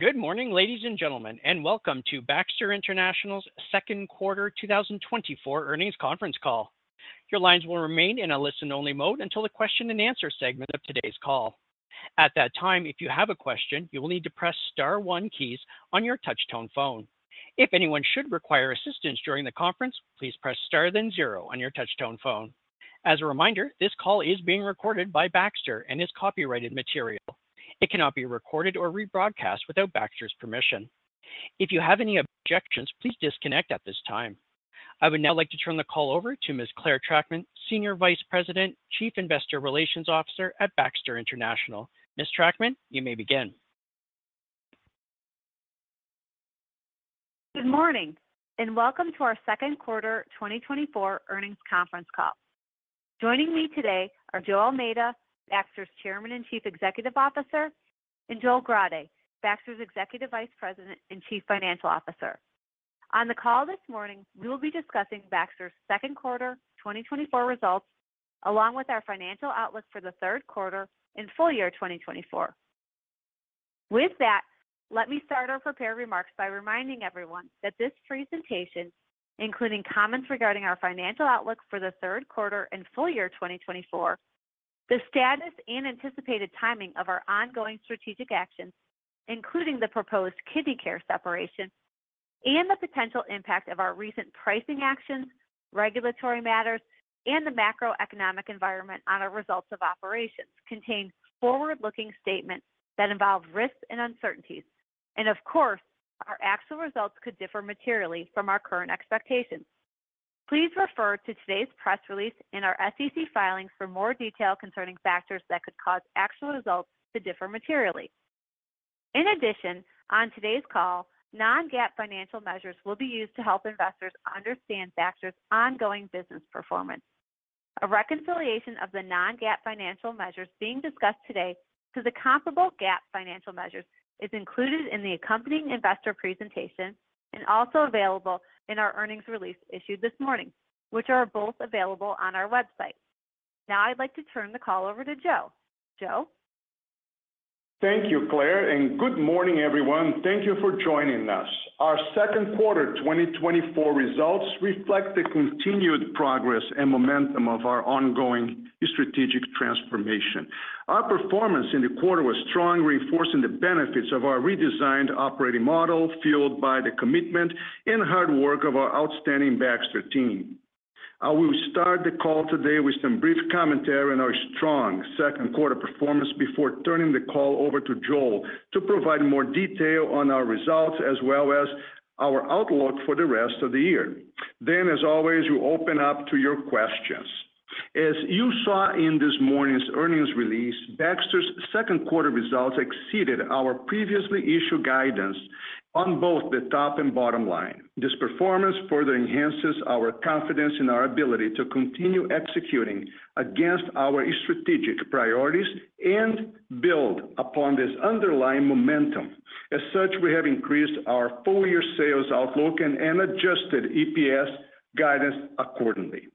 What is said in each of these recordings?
Good morning, ladies and gentlemen, and welcome to Baxter International's Second Quarter 2024 Earnings Conference Call. Your lines will remain in a listen-only mode until the question-and-answer segment of today's call. At that time, if you have a question, you will need to press star one keys on your touchtone phone. If anyone should require assistance during the conference, please press star, then zero on your touchtone phone. As a reminder, this call is being recorded by Baxter and is copyrighted material. It cannot be recorded or rebroadcast without Baxter's permission. If you have any objections, please disconnect at this time. I would now like to turn the call over to Ms. Clare Trachtman, Senior Vice President, Chief Investor Relations Officer at Baxter International. Ms. Trachtman, you may begin. Good morning, and welcome to our second quarter 2024 earnings conference call. Joining me today are Joe Almeida, Baxter's Chairman and Chief Executive Officer, and Joel Grade, Baxter's Executive Vice President and Chief Financial Officer. On the call this morning, we will be discussing Baxter's second quarter 2024 results, along with our financial outlook for the third quarter and full year 2024. With that, let me start our prepared remarks by reminding everyone that this presentation, including comments regarding our financial outlook for the third quarter and full year 2024, the status and anticipated timing of our ongoing strategic actions, including the proposed Kidney Care separation and the potential impact of our recent pricing actions, regulatory matters, and the macroeconomic environment on our results of operations, contain forward-looking statements that involve risks and uncertainties. Of course, our actual results could differ materially from our current expectations. Please refer to today's press release in our SEC filings for more detail concerning factors that could cause actual results to differ materially. In addition, on today's call, non-GAAP financial measures will be used to help investors understand Baxter's ongoing business performance. A reconciliation of the non-GAAP financial measures being discussed today to the comparable GAAP financial measures is included in the accompanying investor presentation and also available in our earnings release issued this morning, which are both available on our website. Now I'd like to turn the call over to Joe. Joe? Thank you, Clare, and good morning, everyone. Thank you for joining us. Our second quarter 2024 results reflect the continued progress and momentum of our ongoing strategic transformation. Our performance in the quarter was strong, reinforcing the benefits of our redesigned operating model, fueled by the commitment and hard work of our outstanding Baxter team. I will start the call today with some brief commentary on our strong second quarter performance before turning the call over to Joel to provide more detail on our results, as well as our outlook for the rest of the year. Then, as always, we open up to your questions. As you saw in this morning's earnings release, Baxter's second quarter results exceeded our previously issued guidance on both the top and bottom line. This performance further enhances our confidence in our ability to continue executing against our strategic priorities and build upon this underlying momentum. As such, we have increased our full-year sales outlook and Adjusted EPS guidance accordingly.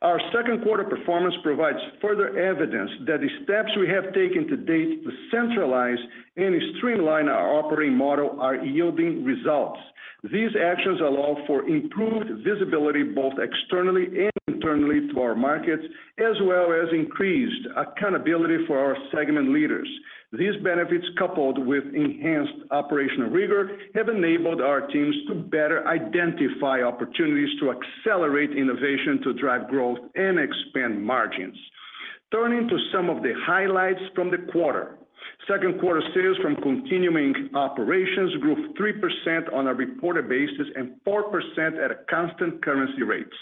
Our second quarter performance provides further evidence that the steps we have taken to date to centralize and streamline our operating model are yielding results. These actions allow for improved visibility, both externally and internally to our markets, as well as increased accountability for our segment leaders. These benefits, coupled with enhanced operational rigor, have enabled our teams to better identify opportunities to accelerate innovation, to drive growth and expand margins. Turning to some of the highlights from the quarter. Second quarter sales from continuing operations grew 3% on a reported basis and 4% at a constant currency rates.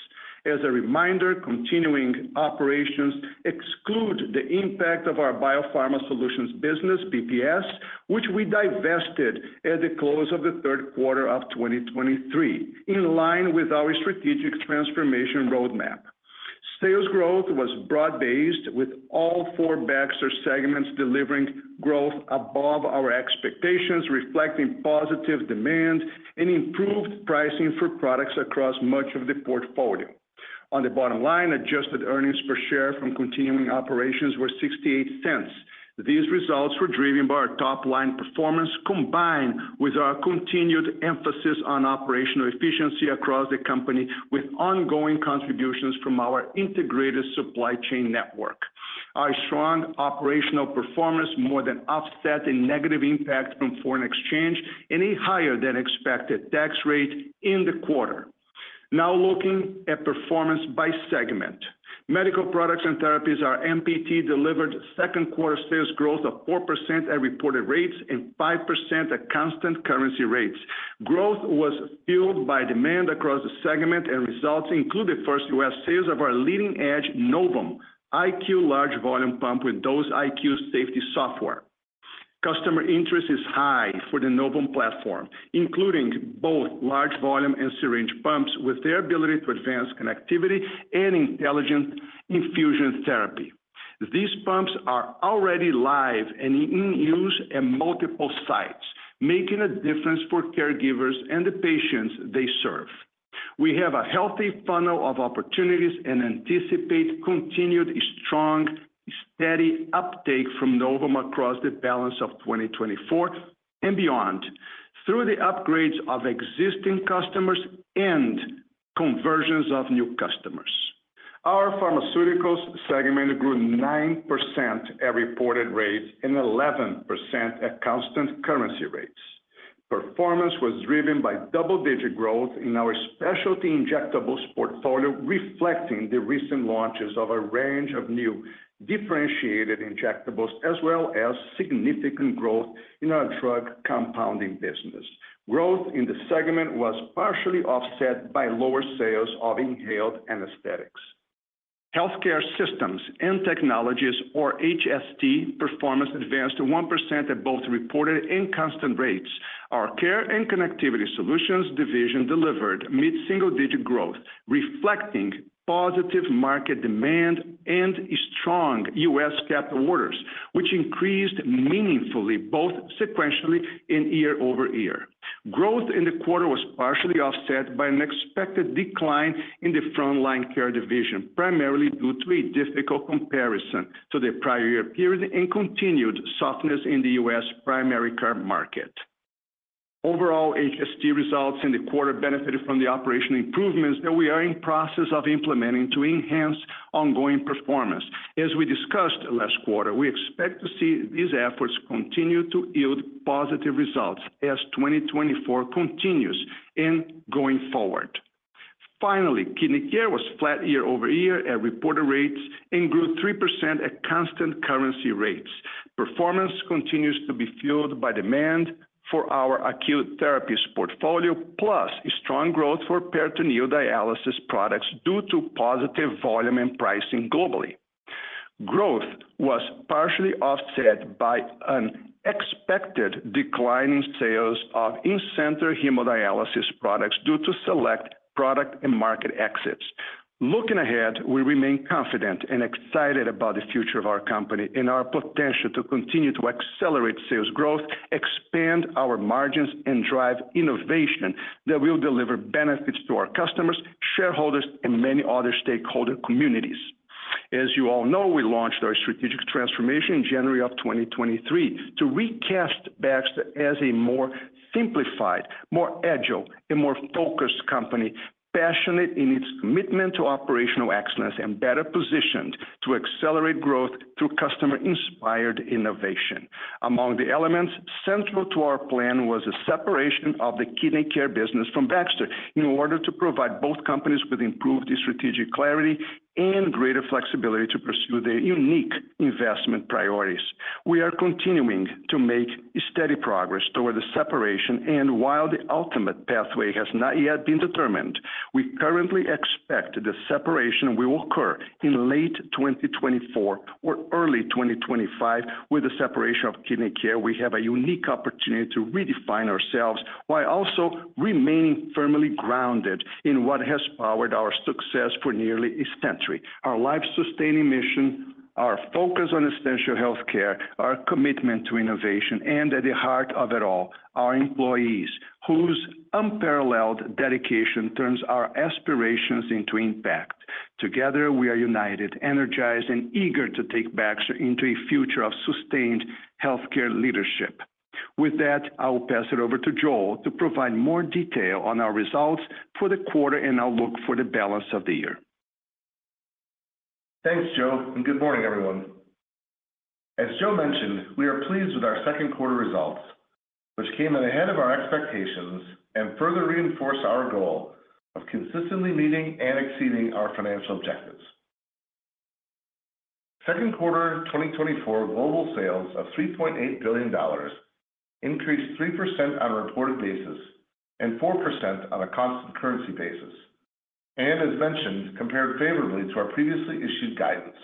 As a reminder, continuing operations exclude the impact of our BioPharma Solutions business, BPS, which we divested at the close of the third quarter of 2023, in line with our strategic transformation roadmap. Sales growth was broad-based, with all four Baxter segments delivering growth above our expectations, reflecting positive demand and improved pricing for products across much of the portfolio. On the bottom line, adjusted earnings per share from continuing operations were $0.68. These results were driven by our top-line performance, combined with our continued emphasis on operational efficiency across the company, with ongoing contributions from our integrated supply chain network. Our strong operational performance more than offset the negative impact from foreign exchange and a higher-than-expected tax rate in the quarter. Now looking at performance by segment. Medical Products and Therapies, or MPT, delivered second quarter sales growth of 4% at reported rates and 5% at constant currency rates. Growth was fueled by demand across the segment, and results included first U.S. sales of our leading-edge Novum IQ large volume pump with Dose IQ safety software. Customer interest is high for the Novum platform, including both large volume and syringe pumps, with their ability to advance connectivity and intelligent infusion therapy. These pumps are already live and in use at multiple sites, making a difference for caregivers and the patients they serve. We have a healthy funnel of opportunities and anticipate continued strong, steady uptake from Novum across the balance of 2024 and beyond, through the upgrades of existing customers and conversions of new customers. Our Pharmaceuticals segment grew 9% at reported rates and 11% at constant currency rates. Performance was driven by double-digit growth in our specialty injectables portfolio, reflecting the recent launches of a range of new differentiated injectables, as well as significant growth in our drug compounding business. Growth in the segment was partially offset by lower sales of inhaled anesthetics. Healthcare Systems and Technologies, or HST, performance advanced to 1% at both reported and constant rates. Our Care and Connectivity Solutions division delivered mid-single-digit growth, reflecting positive market demand and a strong U.S. capital orders, which increased meaningfully, both sequentially and year-over-year. Growth in the quarter was partially offset by an expected decline in the Front Line Care division, primarily due to a difficult comparison to the prior year period and continued softness in the U.S. Primary Care market. Overall, HST results in the quarter benefited from the operational improvements that we are in process of implementing to enhance ongoing performance. As we discussed last quarter, we expect to see these efforts continue to yield positive results as 2024 continues and going forward. Finally, Kidney Care was flat year-over-year at reported rates and grew 3% at constant currency rates. Performance continues to be fueled by demand for our Acute Therapies portfolio, plus strong growth for peritoneal dialysis products due to positive volume and pricing globally. Growth was partially offset by an expected decline in sales of in-center hemodialysis products due to select product and market exits. Looking ahead, we remain confident and excited about the future of our company and our potential to continue to accelerate sales growth, expand our margins, and drive innovation that will deliver benefits to our customers, shareholders, and many other stakeholder communities. As you all know, we launched our strategic transformation in January 2023 to recast Baxter as a more simplified, more agile, and more focused company, passionate in its commitment to operational excellence and better positioned to accelerate growth through customer-inspired innovation. Among the elements central to our plan was a separation of the Kidney Care business from Baxter in order to provide both companies with improved strategic clarity and greater flexibility to pursue their unique investment priorities. We are continuing to make steady progress toward the separation, and while the ultimate pathway has not yet been determined, we currently expect the separation will occur in late 2024 or early 2025. With the separation of Kidney Care, we have a unique opportunity to redefine ourselves while also remaining firmly grounded in what has powered our success for nearly a century: Our life-sustaining mission, our focus on essential health care, our commitment to innovation, and at the heart of it all, our employees, whose unparalleled dedication turns our aspirations into impact. Together, we are united, energized, and eager to take Baxter into a future of sustained healthcare leadership. With that, I will pass it over to Joel to provide more detail on our results for the quarter and outlook for the balance of the year. Thanks, Joe, and good morning, everyone. As Joe mentioned, we are pleased with our second quarter results, which came in ahead of our expectations and further reinforce our goal of consistently meeting and exceeding our financial objectives. Second quarter 2024 global sales of $3.8 billion increased 3% on a reported basis and 4% on a constant currency basis, and as mentioned, compared favorably to our previously issued guidance.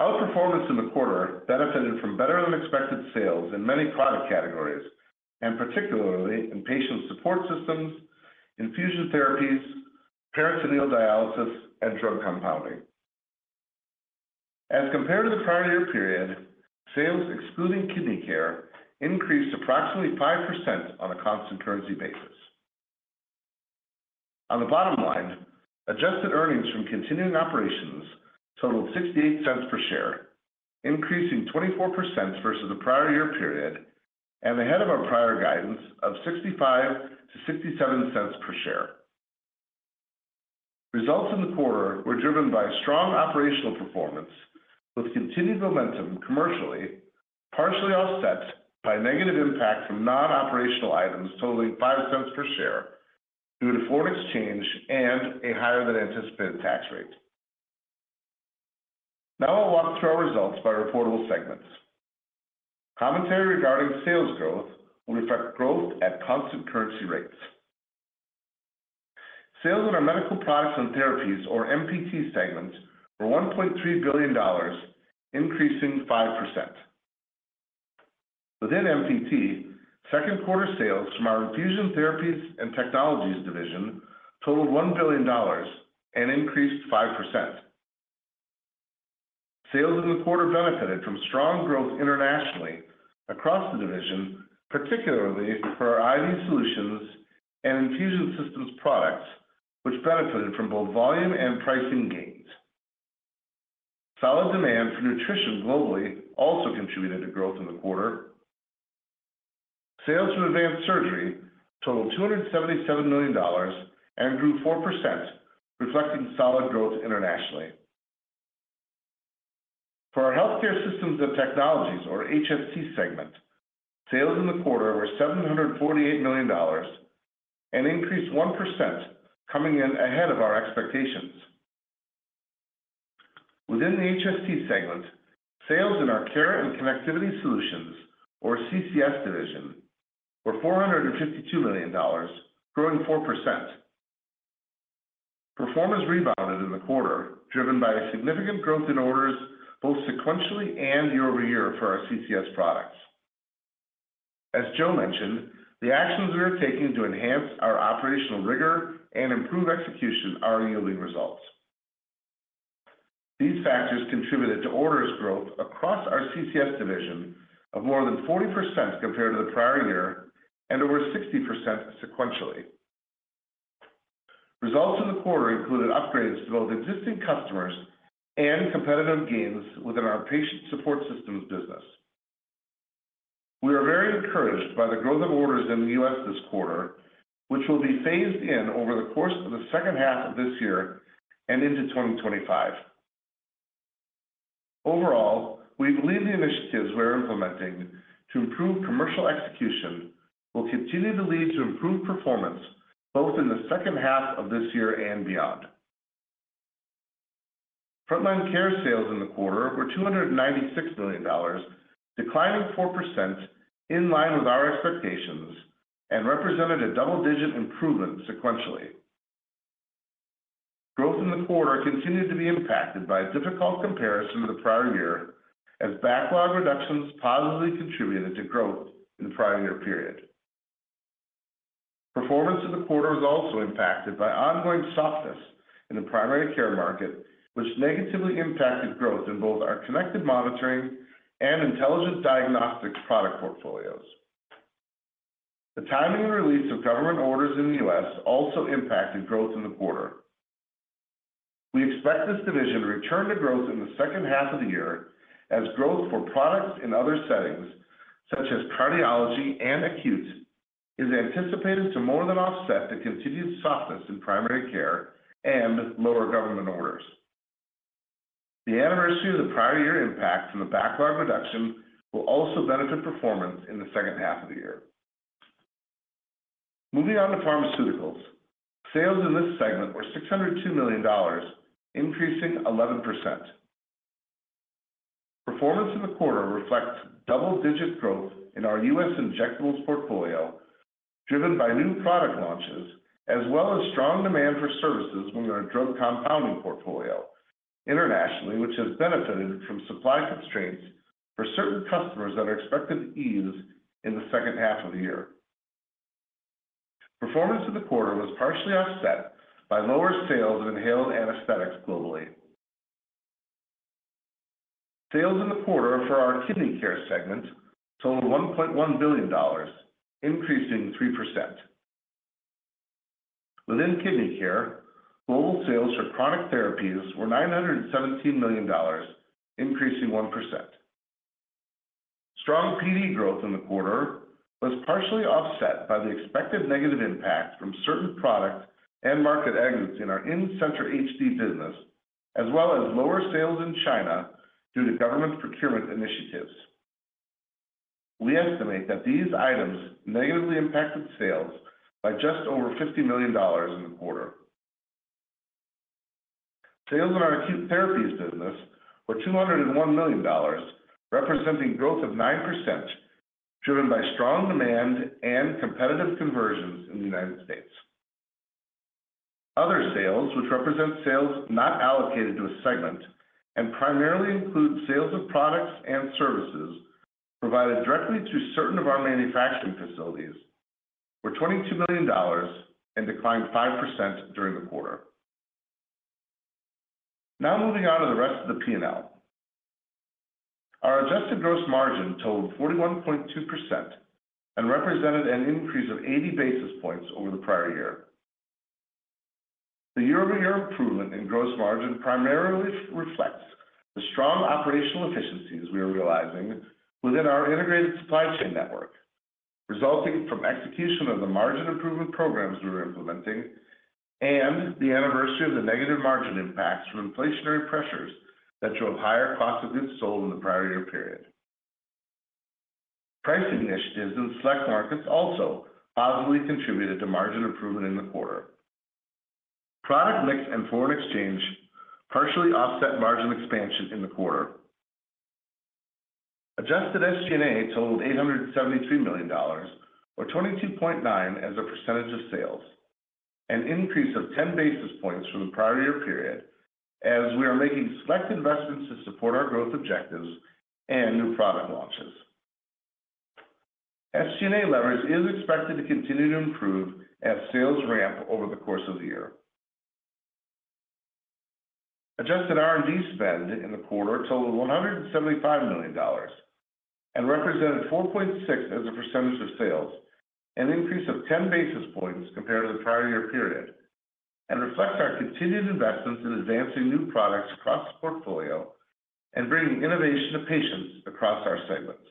Our performance in the quarter benefited from better-than-expected sales in many product categories, and particularly in Patient Support Systems, infusion therapies, peritoneal dialysis, and drug compounding. As compared to the prior year period, sales excluding Kidney Care increased approximately 5% on a constant currency basis. On the bottom line, adjusted earnings from continuing operations totaled $0.68 per share, increasing 24% versus the prior year period and ahead of our prior guidance of $0.65-$0.67 per share. Results in the quarter were driven by strong operational performance, with continued momentum commercially, partially offset by negative impact from non-operational items totaling $0.05 per share due to foreign exchange and a higher than anticipated tax rate. Now I'll walk through our results by reportable segments. Commentary regarding sales growth will reflect growth at constant currency rates. Sales in our Medical Products and Therapies, or MPT segment, were $1.3 billion, increasing 5%. Within MPT, second quarter sales from our Infusion Therapies and Technologies division totaled $1 billion and increased 5%.... Sales in the quarter benefited from strong growth internationally across the division, particularly for our IV solutions and infusion systems products, which benefited from both volume and pricing gains. Solid demand for nutrition globally also contributed to growth in the quarter. Sales from Advanced Surgery totaled $277 million and grew 4%, reflecting solid growth internationally. For our Healthcare Systems and Technologies, or HST segment, sales in the quarter were $748 million and increased 1%, coming in ahead of our expectations. Within the HST segment, sales in our Care and Connectivity Solutions, or CCS division, were $452 million, growing 4%. Performance rebounded in the quarter, driven by a significant growth in orders, both sequentially and year-over-year for our CCS products. As Joe mentioned, the actions we are taking to enhance our operational rigor and improve execution are yielding results. These factors contributed to orders growth across our CCS division of more than 40% compared to the prior year and over 60% sequentially. Results in the quarter included upgrades to both existing customers and competitive gains within our Patient Support Systems business. We are very encouraged by the growth of orders in the U.S. this quarter, which will be phased in over the course of the second half of this year and into 2025. Overall, we believe the initiatives we are implementing to improve commercial execution will continue to lead to improved performance, both in the second half of this year and beyond. Front Line Care sales in the quarter were $296 million, declining 4% in line with our expectations, and represented a double-digit improvement sequentially. Growth in the quarter continued to be impacted by a difficult comparison to the prior year, as backlog reductions positively contributed to growth in the prior year period. Performance in the quarter was also impacted by ongoing softness in the Primary Care market, which negatively impacted growth in both our Connected Monitoring and Intelligent Diagnostics product portfolios. The timing and release of government orders in the U.S. also impacted growth in the quarter. We expect this division to return to growth in the second half of the year as growth for products in other settings, such as cardiology and acute, is anticipated to more than offset the continued softness in Primary Care and lower government orders. The anniversary of the prior year impacts from the backlog reduction will also benefit performance in the second half of the year. Moving on to Pharmaceuticals. Sales in this segment were $602 million, increasing 11%. Performance in the quarter reflects double-digit growth in our U.S. injectables portfolio, driven by new product launches, as well as strong demand for services from our drug compounding portfolio internationally, which has benefited from supply constraints for certain customers that are expected to ease in the second half of the year. Performance in the quarter was partially offset by lower sales of inhaled anesthetics globally. Sales in the quarter for our Kidney Care segment totaled $1.1 billion, increasing 3%. Within Kidney Care, global sales for Chronic Therapies were $917 million, increasing 1%. Strong PD growth in the quarter was partially offset by the expected negative impact from certain product and market exits in our In-Center HD business, as well as lower sales in China due to government procurement initiatives. We estimate that these items negatively impacted sales by just over $50 million in the quarter. Sales in our Acute Therapies business were $201 million, representing growth of 9%, driven by strong demand and competitive conversions in the United States. Other sales, which represent sales not allocated to a segment and primarily include sales of products and services provided directly to certain of our manufacturing facilities, were $22 million and declined 5% during the quarter. Now moving on to the rest of the P&L. Our adjusted gross margin totaled 41.2% and represented an increase of 80 basis points over the prior year. The year-over-year improvement in gross margin primarily reflects the strong operational efficiencies we are realizing within our integrated supply chain network, resulting from execution of the margin improvement programs we are implementing and the anniversary of the negative margin impacts from inflationary pressures that drove higher costs of goods sold in the prior year period. Price initiatives in select markets also positively contributed to margin improvement in the quarter. Product mix and foreign exchange partially offset margin expansion in the quarter. Adjusted SG&A totaled $873 million or 22.9% of sales, an increase of 10 basis points from the prior year period, as we are making select investments to support our growth objectives and new product launches. SG&A leverage is expected to continue to improve as sales ramp over the course of the year. Adjusted R&D spend in the quarter totaled $175 million and represented 4.6% of sales, an increase of 10 basis points compared to the prior year period, and reflects our continued investments in advancing new products across the portfolio and bringing innovation to patients across our segments.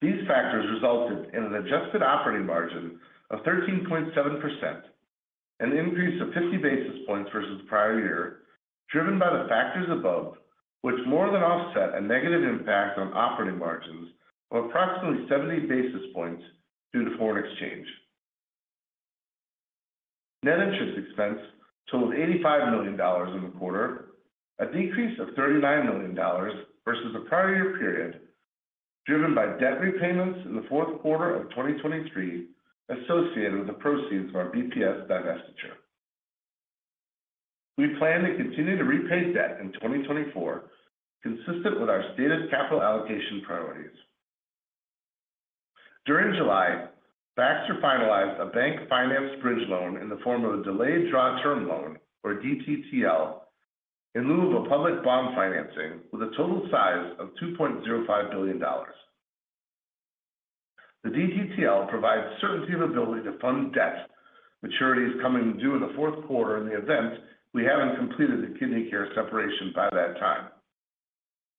These factors resulted in an adjusted operating margin of 13.7%, an increase of 50 basis points versus the prior year, driven by the factors above, which more than offset a negative impact on operating margins of approximately 70 basis points due to foreign exchange. Net interest expense totaled $85 million in the quarter, a decrease of $39 million versus the prior year period, driven by debt repayments in the fourth quarter of 2023 associated with the proceeds of our BPS divestiture. We plan to continue to repay debt in 2024, consistent with our stated capital allocation priorities. During July, Baxter finalized a bank-financed bridge loan in the form of a Delayed Draw Term Loan, or DTTL, in lieu of a public bond financing with a total size of $2.05 billion. The DTTL provides certainty of ability to fund debt, maturities coming due in the fourth quarter in the event we haven't completed the Kidney Care separation by that time.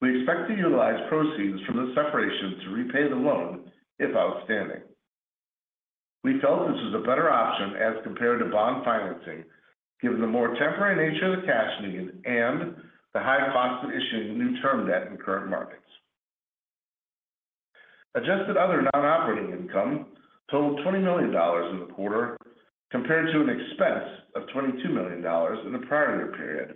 We expect to utilize proceeds from the separation to repay the loan if outstanding. We felt this was a better option as compared to bond financing, given the more temporary nature of the cash needs and the high cost of issuing new term debt in current markets. Adjusted other non-operating income totaled $20 million in the quarter, compared to an expense of $22 million in the prior year period,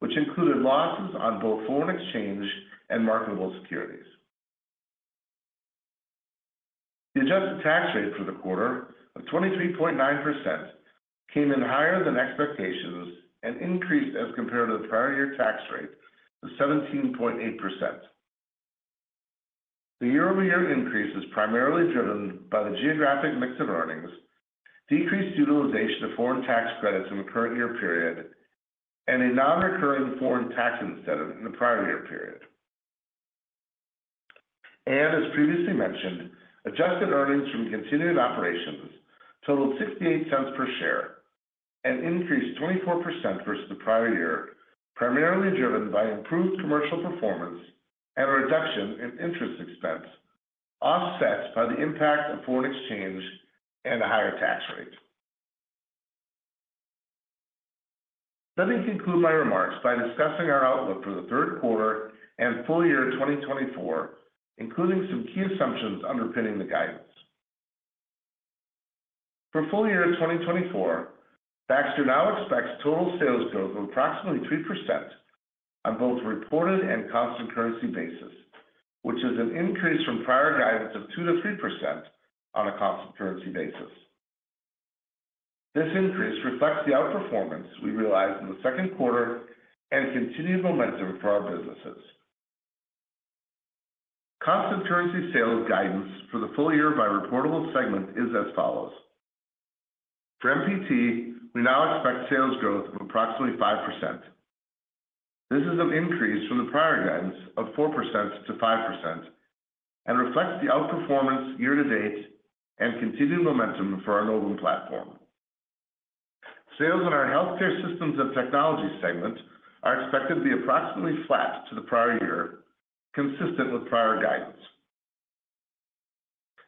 which included losses on both foreign exchange and marketable securities. The adjusted tax rate for the quarter of 23.9% came in higher than expectations and increased as compared to the prior year tax rate of 17.8%. The year-over-year increase is primarily driven by the geographic mix of earnings, decreased utilization of foreign tax credits in the current year period, and a non-recurring foreign tax incentive in the prior year period. As previously mentioned, adjusted earnings from continued operations totaled $0.68 per share and increased 24% versus the prior year, primarily driven by improved commercial performance and a reduction in interest expense, offsets by the impact of foreign exchange and a higher tax rate. Let me conclude my remarks by discussing our outlook for the third quarter and full year 2024, including some key assumptions underpinning the guidance. For full year 2024, Baxter now expects total sales growth of approximately 3% on both reported and constant currency basis, which is an increase from prior guidance of 2%-3% on a constant currency basis. This increase reflects the outperformance we realized in the second quarter and continued momentum for our businesses. Constant currency sales guidance for the full year by reportable segment is as follows: For MPT, we now expect sales growth of approximately 5%. This is an increase from the prior guidance of 4%-5% and reflects the outperformance year to date and continued momentum for our Novum platform. Sales in our Healthcare Systems and Technologies segment are expected to be approximately flat to the prior year, consistent with prior guidance.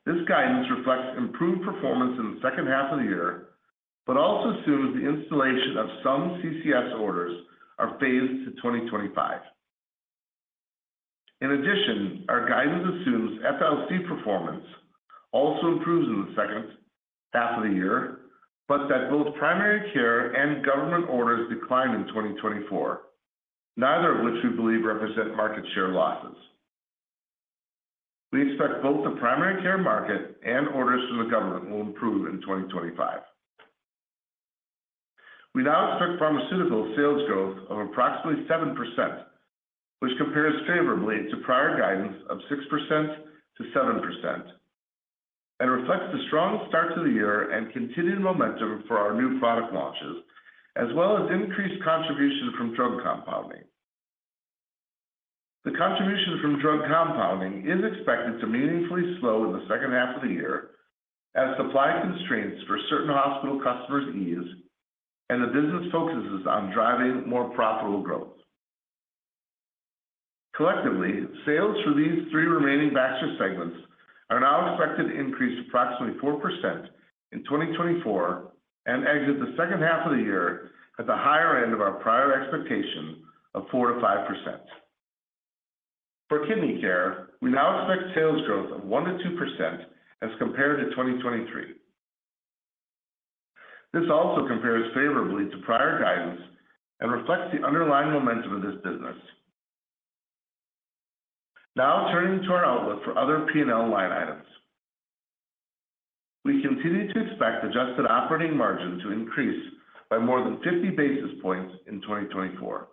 This guidance reflects improved performance in the second half of the year, but also assumes the installation of some CCS orders are phased to 2025. In addition, our guidance assumes FLC performance also improves in the second half of the year, but that both Primary Care and government orders decline in 2024, neither of which we believe represent market share losses. We expect both the Primary Care market and orders to the government will improve in 2025. We now expect Pharmaceuticals sales growth of approximately 7%, which compares favorably to prior guidance of 6%-7%, and reflects the strong start to the year and continued momentum for our new product launches, as well as increased contribution from drug compounding. The contribution from drug compounding is expected to meaningfully slow in the second half of the year as supply constraints for certain hospital customers ease, and the business focuses on driving more profitable growth. Collectively, sales for these three remaining Baxter segments are now expected to increase approximately 4% in 2024 and exit the second half of the year at the higher end of our prior expectation of 4%-5%. For Kidney Care, we now expect sales growth of 1%-2% as compared to 2023. This also compares favorably to prior guidance and reflects the underlying momentum of this business. Now, turning to our outlook for other P&L line items.... We continue to expect adjusted operating margin to increase by more than 50 basis points in 2024.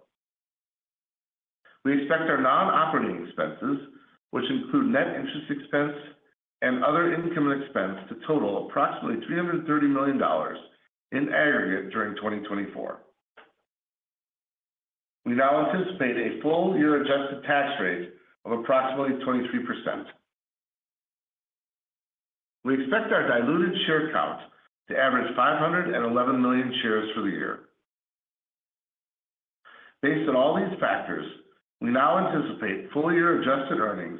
We expect our non-operating expenses, which include net interest expense and other income and expense, to total approximately $330 million in aggregate during 2024. We now anticipate a full-year adjusted tax rate of approximately 23%. We expect our diluted share count to average 511 million shares for the year. Based on all these factors, we now anticipate full-year adjusted earnings,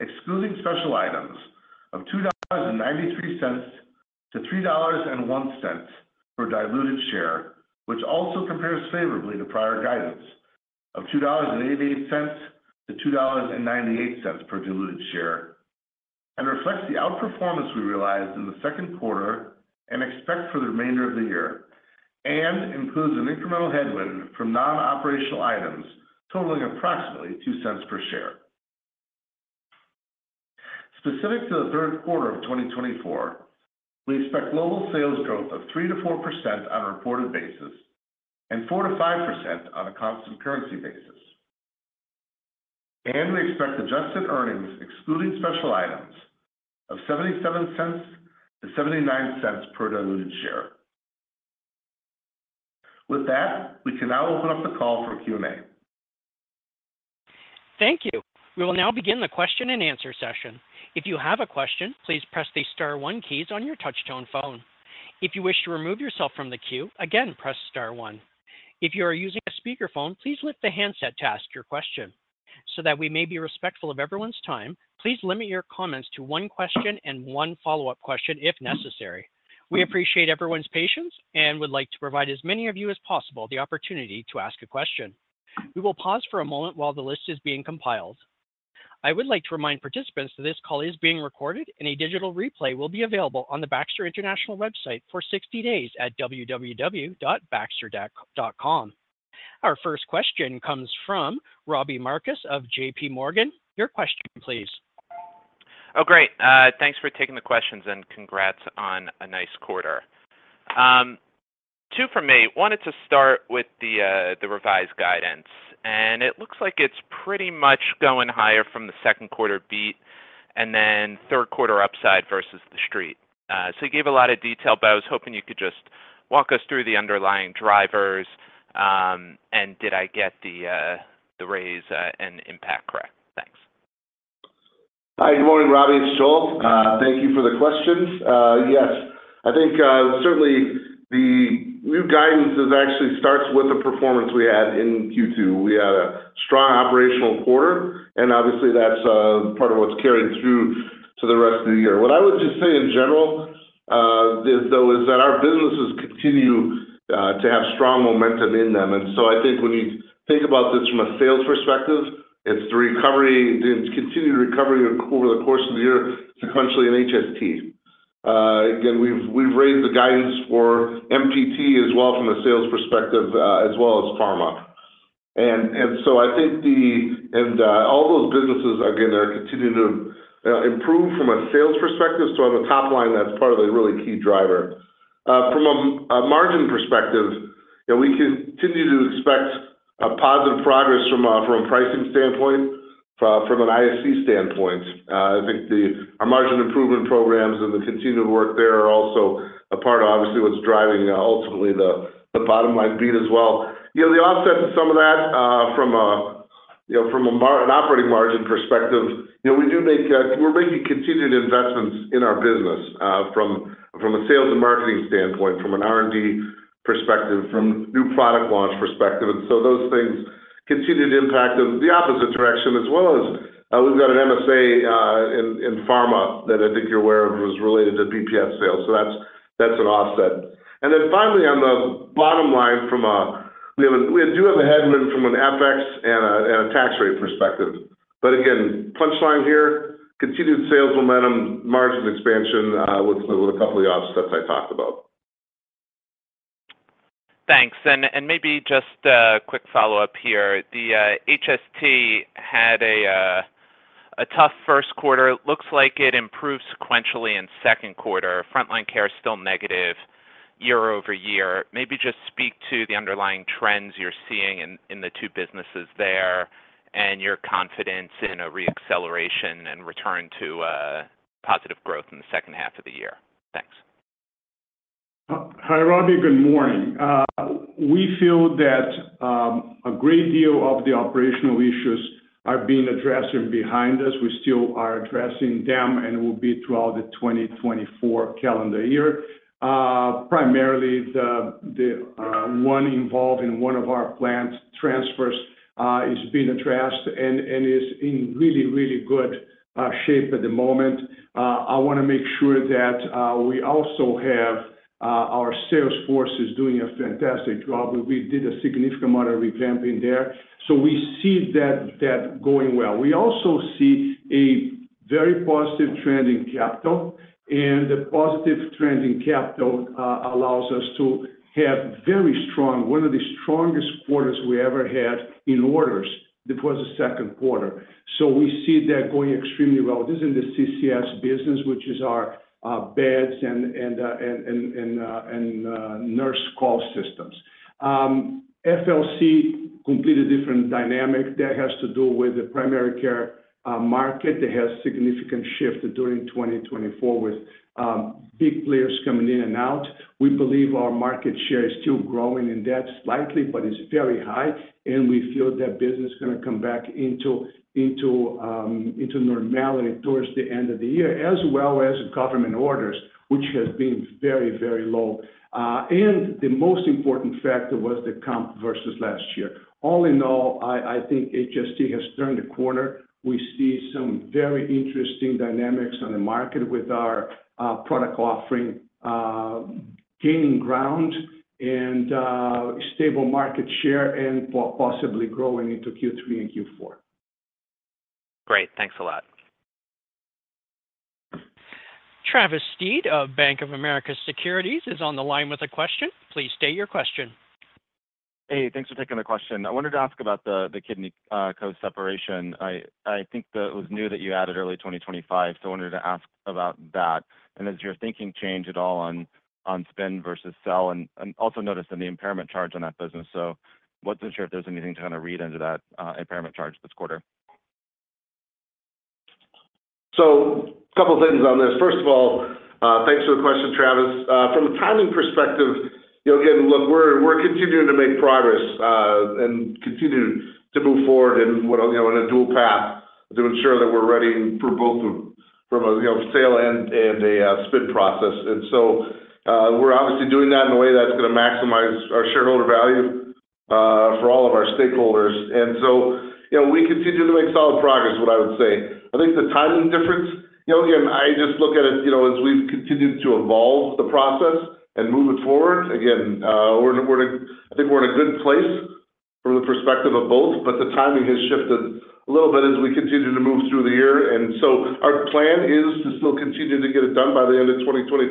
excluding special items, of $2.93-$3.01 per diluted share, which also compares favorably to prior guidance of $2.88-$2.98 per diluted share, and reflects the outperformance we realized in the second quarter and expect for the remainder of the year, and includes an incremental headwind from non-operational items totaling approximately $0.02 per share. Specific to the third quarter of 2024, we expect global sales growth of 3%-4% on a reported basis and 4%-5% on a constant currency basis. We expect adjusted earnings, excluding special items, of $0.77-$0.79 per diluted share. With that, we can now open up the call for Q&A. Thank you. We will now begin the question-and-answer session. If you have a question, please press the star one keys on your touchtone phone. If you wish to remove yourself from the queue, again, press star one. If you are using a speakerphone, please lift the handset to ask your question. So that we may be respectful of everyone's time, please limit your comments to one question and one follow-up question if necessary. We appreciate everyone's patience and would like to provide as many of you as possible the opportunity to ask a question. We will pause for a moment while the list is being compiled. I would like to remind participants that this call is being recorded, and a digital replay will be available on the Baxter International website for 60 days at www.baxter.com. Our first question comes from Robbie Marcus of JPMorgan. Your question, please. Oh, great. Thanks for taking the questions, and congrats on a nice quarter. Two from me. One is to start with the revised guidance, and it looks like it's pretty much going higher from the second quarter beat and then third quarter upside versus the street. So you gave a lot of detail, but I was hoping you could just walk us through the underlying drivers, and did I get the raise and impact correct? Thanks. Hi, good morning, Robbie, it's Joel. Thank you for the questions. Yes, I think, certainly the new guidance is actually starts with the performance we had in Q2. We had a strong operational quarter, and obviously, that's, part of what's carried through to the rest of the year. What I would just say in general, is though, is that our businesses continue, to have strong momentum in them. And so I think when you think about this from a sales perspective, it's the recovery, the continued recovery over the course of the year, sequentially in HST. Again, we've, we've raised the guidance for MPT as well from a sales perspective, as well as Pharma. And, and so I think the... And, all those businesses, again, are continuing to, improve from a sales perspective. So on the top line, that's part of the really key driver. From a margin perspective, we continue to expect positive progress from a pricing standpoint, from an ISC standpoint. I think our margin improvement programs and the continued work there are also a part of, obviously, what's driving ultimately the bottom line beat as well. You know, the offset to some of that, you know, from an operating margin perspective, you know, we're making continued investments in our business, from a sales and marketing standpoint, from an R&D perspective, from new product launch perspective. And so those things continued impact in the opposite direction, as well as, we've got an MSA in Pharma that I think you're aware of, it was related to BPS sales. So that's, that's an offset. And then finally, on the bottom line, we have a headwind from an FX and a tax rate perspective. But again, punchline here, continued sales momentum, margin expansion, with a couple of the offsets I talked about. Thanks. And maybe just a quick follow-up here. The HST had a tough first quarter. It looks like it improved sequentially in second quarter. Front Line Care is still negative year-over-year. Maybe just speak to the underlying trends you're seeing in the two businesses there and your confidence in a reacceleration and return to positive growth in the second half of the year. Thanks. Hi, Robbie, good morning. We feel that a great deal of the operational issues are being addressed and behind us. We still are addressing them and will be throughout the 2024 calendar year. Primarily, the one involved in one of our plant transfers is being addressed and is in really, really good shape at the moment. I want to make sure that we also have our sales force is doing a fantastic job, and we did a significant amount of revamping there, so we see that going well. We also see a very positive trend in capital, and the positive trend in capital allows us to have very strong, one of the strongest quarters we ever had in orders. It was the second quarter. So we see that going extremely well. This is in the CCS business, which is our beds and nurse call systems.... FLC, completely different dynamic. That has to do with the Primary Care market that has significant shift during 2024, with big players coming in and out. We believe our market share is still growing in that slightly, but it's very high, and we feel that business is gonna come back into, into, into normality towards the end of the year, as well as government orders, which has been very, very low. And the most important factor was the comp versus last year. All in all, I, I think HST has turned a corner. We see some very interesting dynamics on the market with our product offering gaining ground and stable market share and possibly growing into Q3 and Q4. Great. Thanks a lot. Travis Steed of Bank of America Securities is on the line with a question. Please state your question. Hey, thanks for taking the question. I wanted to ask about the Kidney Care separation. I think that it was new that you added early 2025, so I wanted to ask about that. And has your thinking changed at all on spin versus sell? And also noticed in the impairment charge on that business, so wasn't sure if there's anything to kind of read into that impairment charge this quarter. So a couple of things on this. First of all, thanks for the question, Travis. From a timing perspective, you know, again, look, we're, we're continuing to make progress, and continuing to move forward in what, you know, in a dual path to ensure that we're ready for both from a, you know, sale and, and a, spin process. And so, we're obviously doing that in a way that's gonna maximize our shareholder value, for all of our stakeholders. And so, you know, we continue to make solid progress, what I would say. I think the timing difference, you know, again, I just look at it, you know, as we've continued to evolve the process and move it forward. Again, we're in a good place from the perspective of both, but the timing has shifted a little bit as we continue to move through the year. And so our plan is to still continue to get it done by the end of 2024,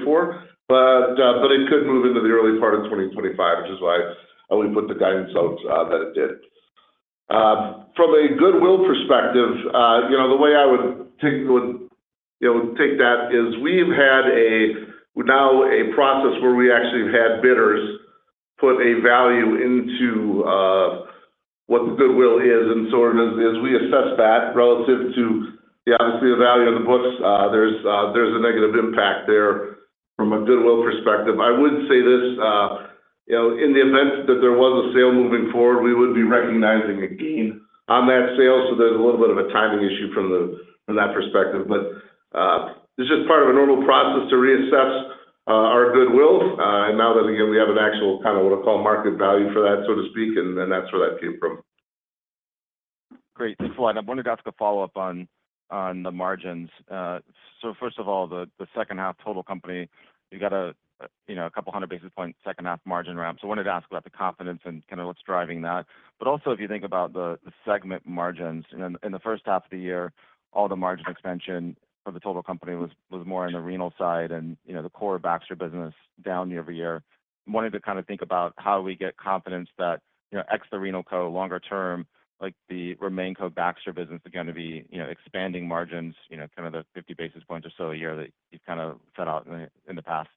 but it could move into the early part of 2025, which is why I only put the guidance out that it did. From a goodwill perspective, you know, the way I would take that is we've had a process where we actually have had bidders put a value into what the goodwill is. And so as we assess that relative to, yeah, obviously, the value on the books, there's a negative impact there from a goodwill perspective. I would say this, you know, in the event that there was a sale moving forward, we would be recognizing a gain on that sale, so there's a little bit of a timing issue from that perspective. But, this is part of a normal process to reassess our goodwill. And now that, again, we have an actual kind of, what I call, market value for that, so to speak, and that's where that came from. Great. Thanks a lot. I wanted to ask a follow-up on the margins. So first of all, the second half total company, you got a, you know, a couple hundred basis points, second half margin ramp. So I wanted to ask about the confidence and kind of what's driving that. But also, if you think about the segment margins in the first half of the year, all the margin expansion for the total company was more on the renal side and, you know, the core Baxter business down year-over-year. I wanted to kind of think about how we get confidence that, you know, ex the RenalCo longer term, like the RemainCo Baxter business is gonna be, you know, expanding margins, you know, kind of the 50 basis points or so a year that you've kind of set out in the, in the past.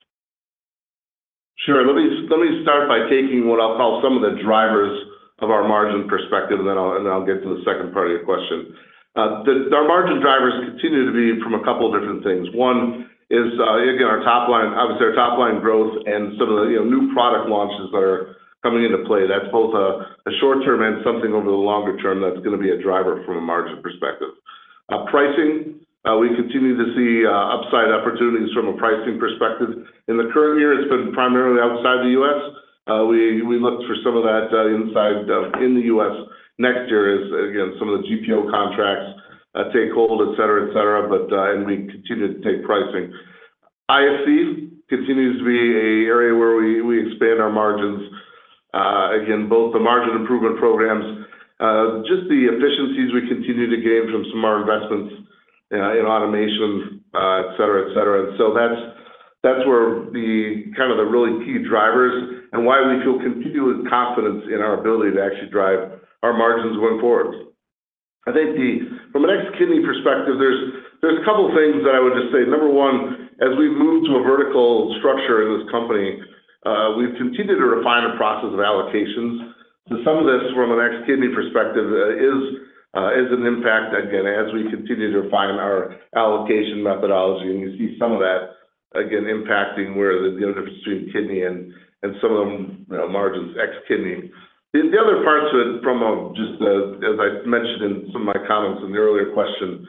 Sure. Let me, let me start by taking what I'll call some of the drivers of our margin perspective, and then I'll, and I'll get to the second part of your question. The our margin drivers continue to be from a couple of different things. One is, again, our top line, obviously our top line growth and some of the, you know, new product launches that are coming into play. That's both a, a short term and something over the longer term that's gonna be a driver from a margin perspective. Pricing, we continue to see, upside opportunities from a pricing perspective. In the current year, it's been primarily outside the U.S. We, we look for some of that, inside of, in the U.S. next year as, again, some of the GPO contracts, take hold, et cetera, et cetera. And we continue to take pricing. ISC continues to be an area where we, we expand our margins. Again, both the margin improvement programs, just the efficiencies we continue to gain from some our investments, in automation, et cetera, et cetera. So that's, that's where the kind of the really key drivers and why we feel continuous confidence in our ability to actually drive our margins going forward. I think the, from an ex-Kidney perspective, there's, there's a couple of things that I would just say. Number one, as we've moved to a vertical structure in this company, we've continued to refine the process of allocations. So some of this, from an ex Kidney perspective, is an impact, again, as we continue to refine our allocation methodology, and you see some of that again impacting where the, you know, difference between Kidney and some of them, you know, margins, ex Kidney. The other parts of it from, just as I mentioned in some of my comments in the earlier question,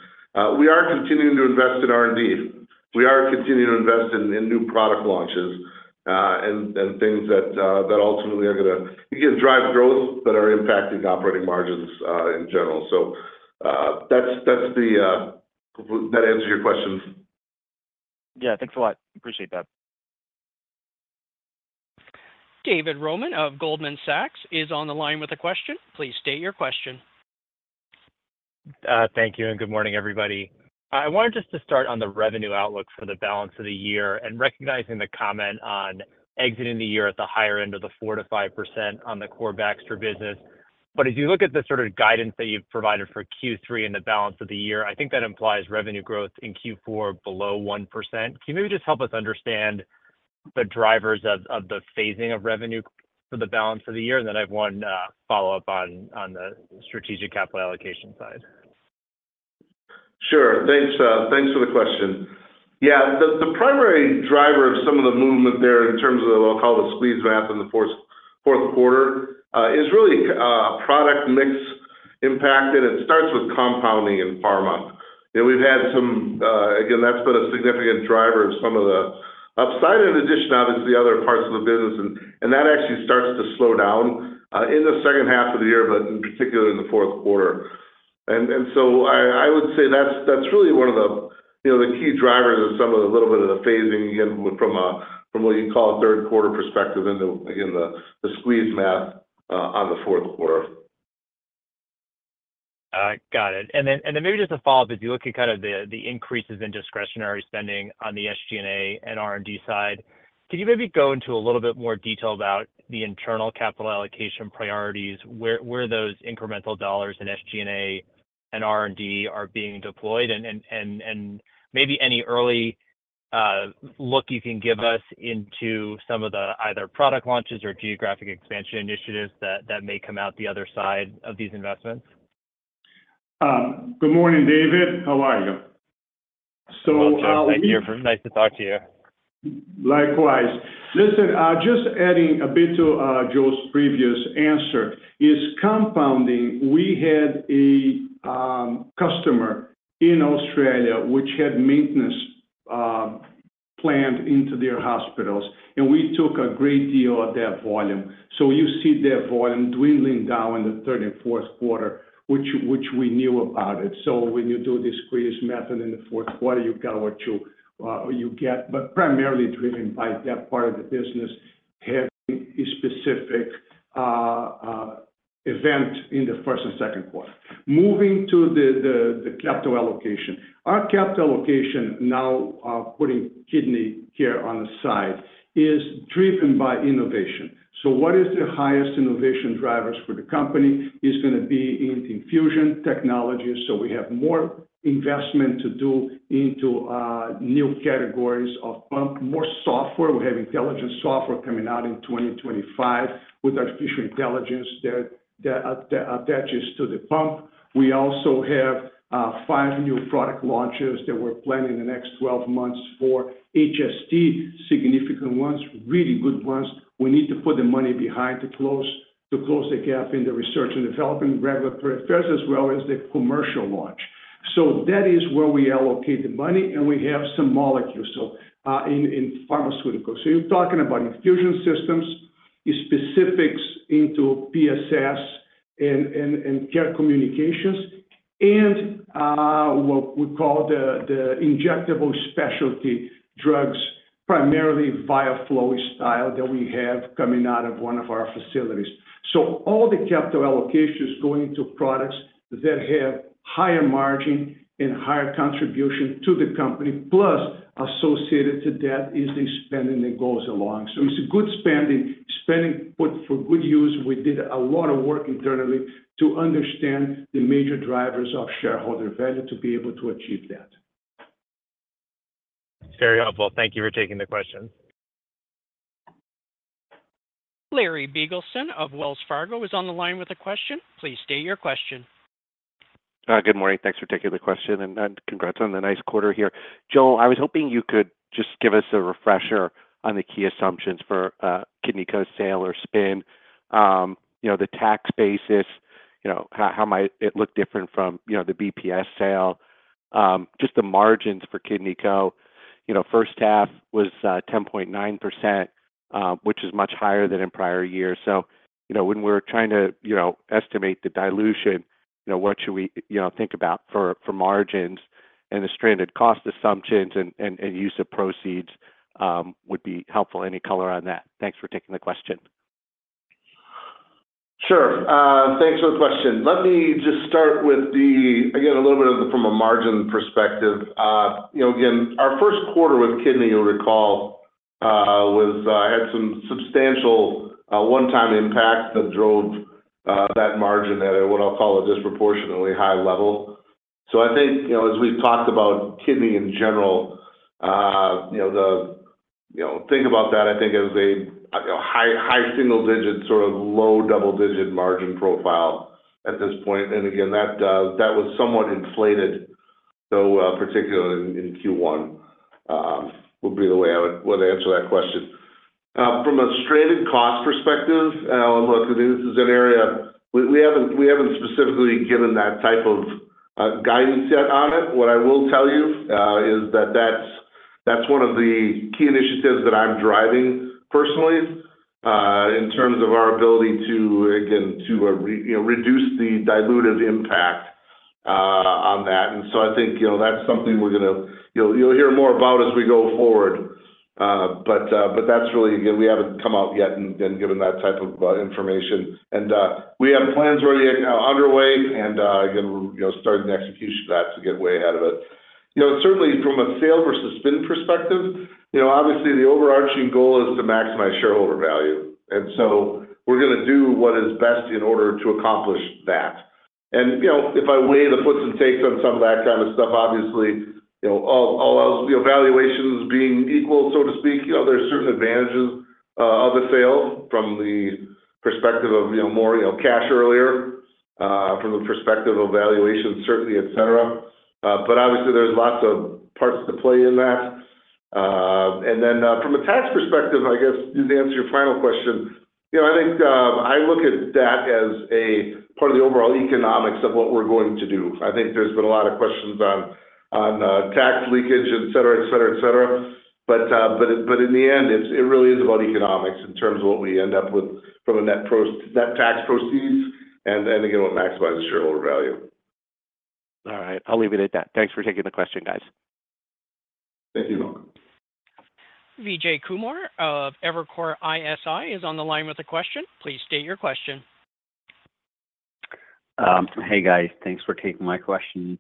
we are continuing to invest in R&D. We are continuing to invest in new product launches, and things that ultimately are gonna, again, drive growth but are impacting operating margins in general. So, that's the... Does that answer your question? Yeah. Thanks a lot. Appreciate that. David Roman of Goldman Sachs is on the line with a question. Please state your question. Thank you, and good morning, everybody. I wanted just to start on the revenue outlook for the balance of the year and recognizing the comment on exiting the year at the higher end of the 4%-5% on the core Baxter business.... But if you look at the sort of guidance that you've provided for Q3 and the balance of the year, I think that implies revenue growth in Q4 below 1%. Can you maybe just help us understand the drivers of the phasing of revenue for the balance of the year? And then I have one, follow-up on the strategic capital allocation side. Sure. Thanks, thanks for the question. Yeah, the primary driver of some of the movement there, in terms of what I'll call the squeeze math in the fourth quarter, is really product mix impact, and it starts with compounding in Pharma. And we've had some, again, that's been a significant driver of some of the upside, in addition, obviously, other parts of the business. And that actually starts to slow down in the second half of the year, but in particular in the fourth quarter. And so I would say that's really one of the, you know, the key drivers of some of the little bit of the phasing, again, from what you can call a third quarter perspective in the, again, the squeeze math on the fourth quarter. Got it. And then maybe just to follow up, if you look at kind of the increases in discretionary spending on the SG&A and R&D side, could you maybe go into a little bit more detail about the internal capital allocation priorities? Where are those incremental dollars in SG&A and R&D being deployed? And maybe any early look you can give us into some of the either product launches or geographic expansion initiatives that may come out the other side of these investments. Good morning, David. How are you? Well, thank you. Nice to talk to you. Likewise. Listen, just adding a bit to Joe's previous answer, is compounding. We had a customer in Australia, which had maintenance planned into their hospitals, and we took a great deal of their volume. So you see their volume dwindling down in the third and fourth quarter, which we knew about it. So when you do the squeeze method in the fourth quarter, you get what you get, but primarily driven by that part of the business, had a specific event in the first and second quarter. Moving to the capital allocation. Our capital allocation now, putting Kidney here on the side, is driven by innovation. So what is the highest innovation drivers for the company? Is gonna be in infusion technology. So we have more investment to do into new categories of pump, more software. We have intelligent software coming out in 2025 with artificial intelligence that that attaches to the pump. We also have five new product launches that we're planning in the next 12 months for HST. Significant ones, really good ones. We need to put the money behind to close, to close the gap in the research and development, regulatory affairs, as well as the commercial launch. So that is where we allocate the money, and we have some molecules, so in Pharmaceuticals. So you're talking about infusion systems, specifics into PSS and care and connectivity, and what we call the injectable specialty drugs, primarily VIAFLO-style that we have coming out of one of our facilities. So all the capital allocation is going to products that have higher margin and higher contribution to the big company. Plus, associated to that is the spending that goes along. So it's a good spending, spending put for good use. We did a lot of work internally to understand the major drivers of shareholder value to be able to achieve that. Very helpful. Thank you for taking the question. Larry Biegelsen of Wells Fargo is on the line with a question. Please state your question. Good morning. Thanks for taking the question, and congrats on the nice quarter here. Joe, I was hoping you could just give us a refresher on the key assumptions for KidneyCo sale or spin. You know, the tax basis, you know, how might it look different from, you know, the BPS sale? Just the margins for KidneyCo, you know, first half was 10.9%, which is much higher than in prior years. So, you know, when we're trying to, you know, estimate the dilution, you know, what should we, you know, think about for margins and the stranded cost assumptions and use of proceeds would be helpful. Any color on that? Thanks for taking the question. Sure. Thanks for the question. Let me just start with the... Again, a little bit from a margin perspective. You know, again, our first quarter with Kidney, you'll recall, was had some substantial one-time impact that drove that margin at what I'll call a disproportionately high level. So I think, you know, as we've talked about Kidney in general, you know, think about that, I think as a high single digit, sort of low double-digit margin profile at this point. And again, that was somewhat inflated, so particularly in Q1 would be the way I would answer that question. From a stranded cost perspective, look, this is an area we we haven't we haven't specifically given that type of guidance yet on it. What I will tell you is that that's one of the key initiatives that I'm driving personally in terms of our ability to again to you know reduce the dilutive impact on that. And so I think you know that's something we're gonna you'll hear more about as we go forward. But but that's really. Again, we haven't come out yet and given that type of information. And we have plans already underway you know starting the execution of that to get way ahead of it. You know certainly from a sale versus spin perspective you know obviously the overarching goal is to maximize shareholder value, and so we're gonna do what is best in order to accomplish that. You know, if I weigh the puts and takes on some of that kind of stuff, obviously, you know, all else, you know, valuations being equal, so to speak, you know, there are certain advantages of a sale from the perspective of, you know, more, you know, cash earlier from the perspective of valuations, certainly, et cetera. But obviously, there's lots of parts to play in that. Then, from a tax perspective, I guess, to answer your final question, you know, I think I look at that as a part of the overall economics of what we're going to do. I think there's been a lot of questions on tax leakage, et cetera, et cetera, et cetera. But in the end, it's, it really is about economics in terms of what we end up with from a net pro-- net tax proceeds, and then, again, what maximizes shareholder value. All right. I'll leave it at that. Thanks for taking the question, guys. Thank you, Larry. Vijay Kumar of Evercore ISI is on the line with a question. Please state your question. Hey, guys. Thanks for taking my question.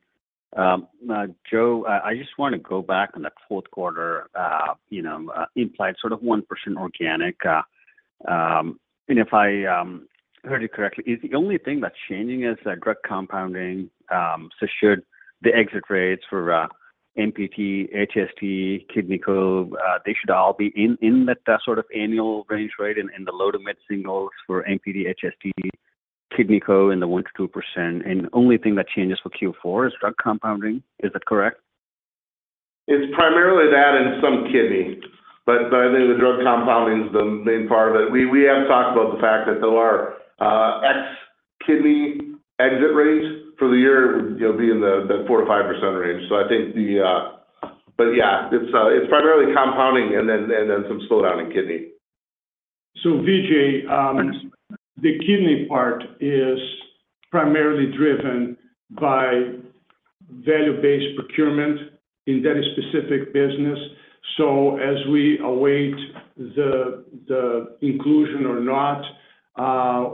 Joe, I just want to go back on the fourth quarter, you know, implied sort of 1% organic. And if I heard you correctly, is the only thing that's changing is the drug compounding? So should the exit rates for MPT, HST, KidneyCo, they should all be in that sort of annual range, right, in the low to mid singles for MPT, HST, KidneyCo in the 1%-2%, and only thing that changes for Q4 is drug compounding. Is that correct? It's primarily that and some Kidney, but I think the drug compounding is the main part of it. We have talked about the fact that there are ex-Kidney exit rates for the year, you know, being in the 4%-5% range. So I think... But yeah, it's primarily compounding and then some slowdown in Kidney. So Vijay, the Kidney part is primarily driven by value-based procurement in that specific business. So as we await the inclusion or not,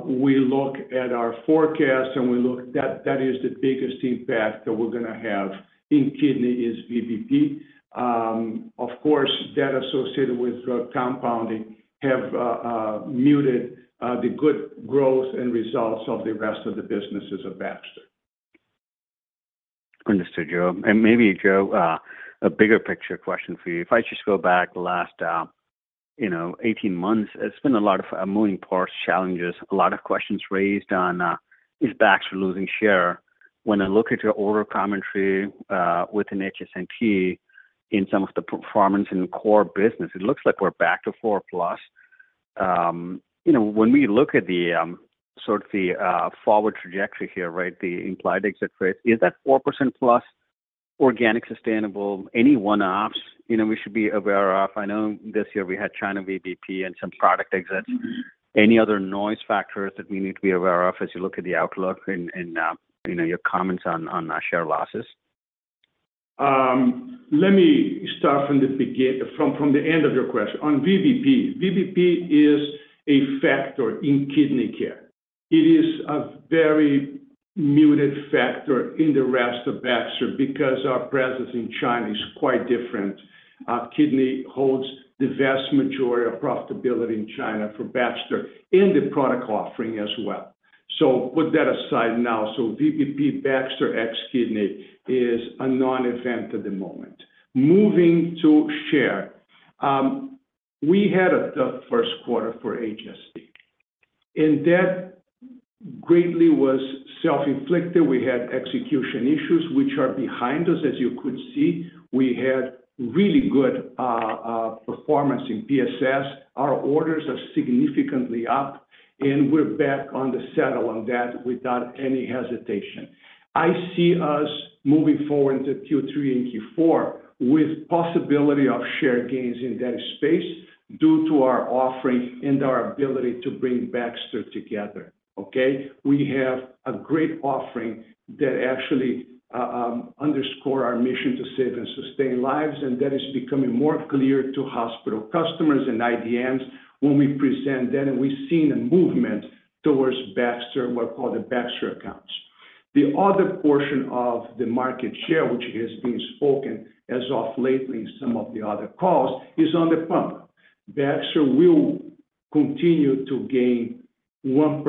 we look at our forecast, and we look at that, that is the biggest impact that we're going to have in Kidney is VBP. Of course, that associated with drug compounding have muted the good growth and results of the rest of the businesses of Baxter. Understood, Joe. And maybe, Joe, a bigger picture question for you. If I just go back the last, you know, 18 months, it's been a lot of moving parts, challenges, a lot of questions raised on, is Baxter losing share? When I look at your order commentary, within HST, in some of the performance in the core business, it looks like we're back to 4+. You know, when we look at the, sort of the, forward trajectory here, right, the implied exit rate, is that 4%+ organic, sustainable, any one-offs, you know, we should be aware of? I know this year we had China VBP and some product exits. Any other noise factors that we need to be aware of as you look at the outlook and, you know, your comments on, share losses? Let me start from the end of your question. On VBP, VBP is a factor in Kidney Care. It is a very muted factor in the rest of Baxter because our presence in China is quite different. Kidney holds the vast majority of profitability in China for Baxter and the product offering as well. So put that aside now. So VBP, Baxter, ex Kidney is a non-event at the moment. Moving to share. We had a tough first quarter for HST, and that greatly was self-inflicted. We had execution issues, which are behind us, as you could see. We had really good performance in PSS. Our orders are significantly up, and we're back on the saddle on that without any hesitation. I see us moving forward into Q3 and Q4 with possibility of share gains in that space due to our offering and our ability to bring Baxter together, okay? We have a great offering that actually underscore our mission to save and sustain lives, and that is becoming more clear to hospital customers and IDNs when we present them, and we've seen a movement towards Baxter, what are called the Baxter accounts. The other portion of the market share, which has been spoken as of lately, some of the other calls, is on the pump. Baxter will continue to gain 1%,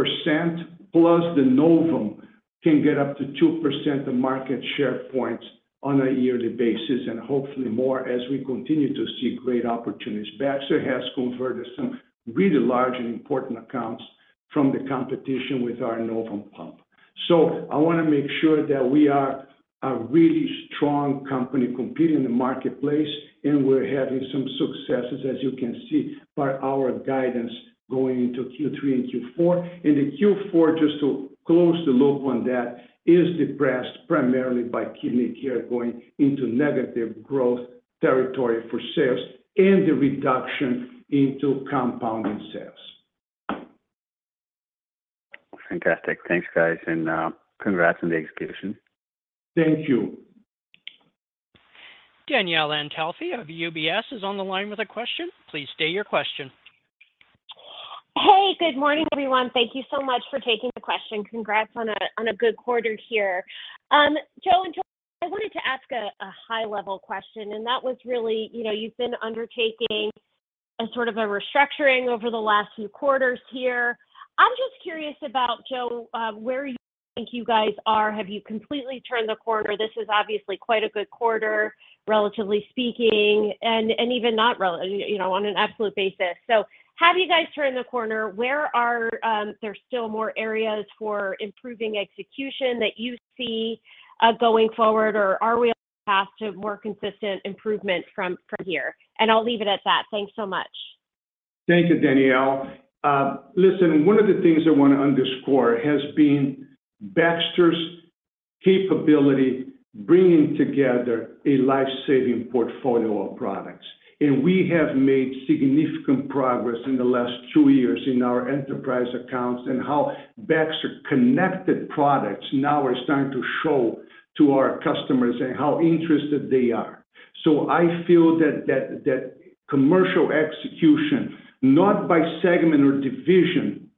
plus the Novum can get up to 2% of market share points on a yearly basis, and hopefully more as we continue to see great opportunities. Baxter has converted some really large and important accounts from the competition with our Novum pump. I want to make sure that we are a really strong company competing in the marketplace, and we're having some successes, as you can see, by our guidance going into Q3 and Q4. The Q4, just to close the loop on that, is depressed primarily by Kidney Care going into negative growth territory for sales and the reduction into compounding sales. Fantastic. Thanks, guys, and congrats on the execution. Thank you. Danielle Antalffy of UBS is on the line with a question. Please state your question. Hey, good morning, everyone. Thank you so much for taking the question. Congrats on a good quarter here. Joe and Joel, I wanted to ask a high-level question, and that was really, you know, you've been undertaking a sort of a restructuring over the last few quarters here. I'm just curious about, Joe, where you think you guys are. Have you completely turned the corner? This is obviously quite a good quarter, relatively speaking, and, and even not relative, you know, on an absolute basis. So have you guys turned the corner? Where are, there's still more areas for improving execution that you see, going forward, or are we on the path to more consistent improvement from, from here? And I'll leave it at that. Thanks so much. Thank you, Danielle. Listen, one of the things I want to underscore has been Baxter's capability, bringing together a life-saving portfolio of products. And we have made significant progress in the last two years in our enterprise accounts and how Baxter connected products now are starting to show to our customers and how interested they are. So I feel that commercial execution, not by segment or division,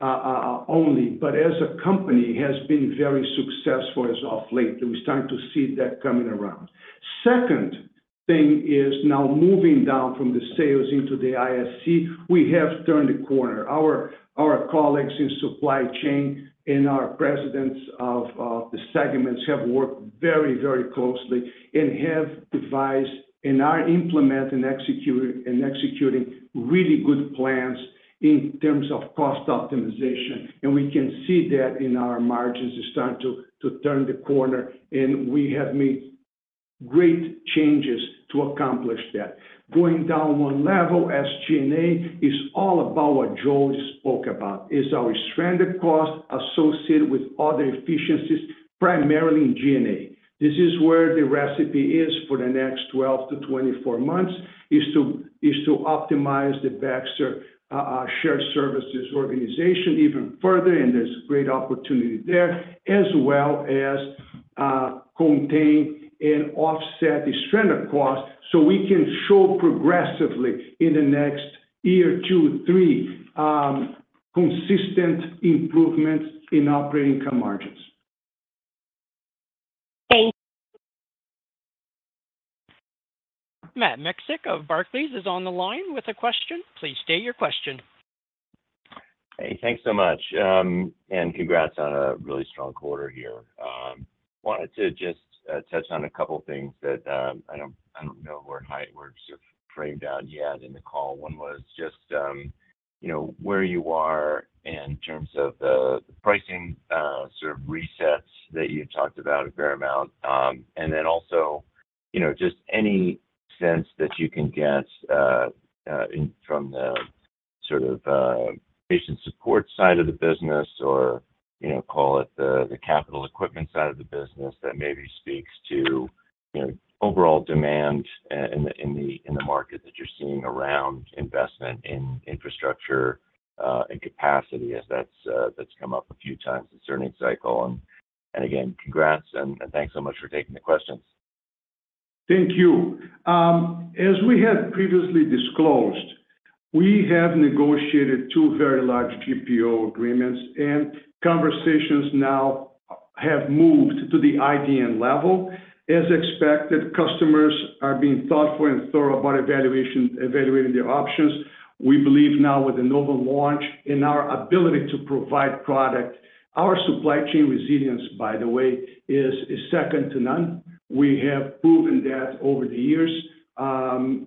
only, but as a company, has been very successful as of late, and we're starting to see that coming around. Second thing is now moving down from the sales into the ISC, we have turned the corner. Our colleagues in supply chain and our presidents of the segments have worked very, very closely and have devised and are implementing, executing, and executing really good plans in terms of cost optimization. We can see that in our margins, it's starting to turn the corner, and we have made great changes to accomplish that. Going down one level, as G&A is all about what Joel spoke about. It's our stranded costs associated with other efficiencies, primarily in G&A. This is where the recipe is for the next 12-24 months, is to optimize the Baxter shared services organization even further, and there's great opportunity there, as well as contain and offset the stranded costs so we can show progressively in the next year, two, three, consistent improvements in operating income margins. Thank you. Matt Miksic of Barclays is on the line with a question. Please state your question. Hey, thanks so much. And congrats on a really strong quarter here. Wanted to just touch on a couple of things that I don't know were sort of framed out yet in the call. One was just, you know, where you are in terms of the pricing sort of resets that you talked about a fair amount. And then also, you know, just any sense that you can get from the sort of patient support side of the business or, you know, call it the capital equipment side of the business, that maybe speaks to, you know, overall demand in the market that you're seeing around investment in infrastructure and capacity as that's come up a few times this earnings cycle. And again, congrats, and thanks so much for taking the questions. Thank you. As we had previously disclosed, we have negotiated two very large GPO agreements, and conversations now have moved to the IDN level. As expected, customers are being thoughtful and thorough about evaluating their options. We believe now with the Novum launch and our ability to provide product, our supply chain resilience, by the way, is second to none. We have proven that over the years, and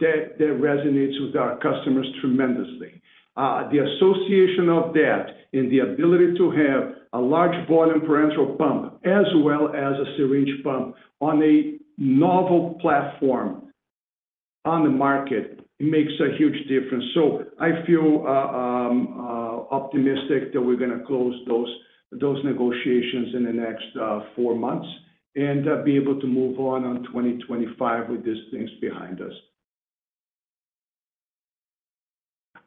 that resonates with our customers tremendously. The association of that and the ability to have a large volume parenteral pump as well as a syringe pump on a Novum platform on the market, it makes a huge difference. So I feel optimistic that we're going to close those negotiations in the next four months and be able to move on in 2025 with these things behind us.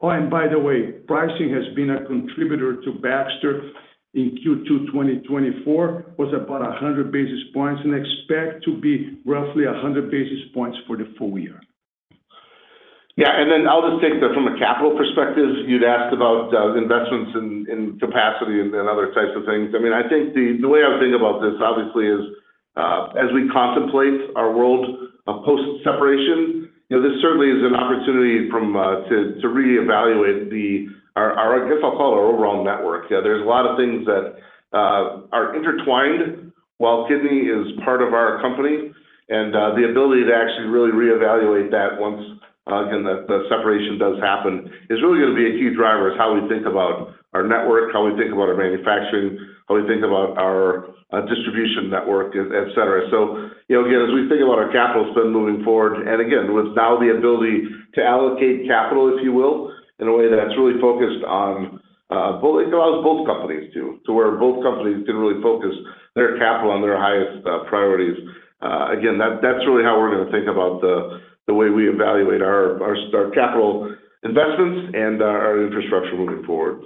Oh, and by the way, pricing has been a contributor to Baxter in Q2 2024. Was about 100 basis points and expect to be roughly 100 basis points for the full year. Yeah, and then I'll just take that from a capital perspective. You'd asked about investments in capacity and other types of things. I mean, I think the way I would think about this, obviously, is as we contemplate our world post-separation, you know, this certainly is an opportunity to reevaluate our overall network. Yeah, there's a lot of things that are intertwined, while Kidney is part of our company, and the ability to actually really reevaluate that once the separation does happen is really going to be a key driver in how we think about our network, how we think about our manufacturing, how we think about our distribution network, etc. So, you know, again, as we think about our capital spend moving forward, and again, with now the ability to allocate capital, if you will, in a way that's really focused on both, allows both companies to where both companies can really focus their capital on their highest priorities. Again, that's really how we're going to think about the way we evaluate our capital investments and our infrastructure moving forward.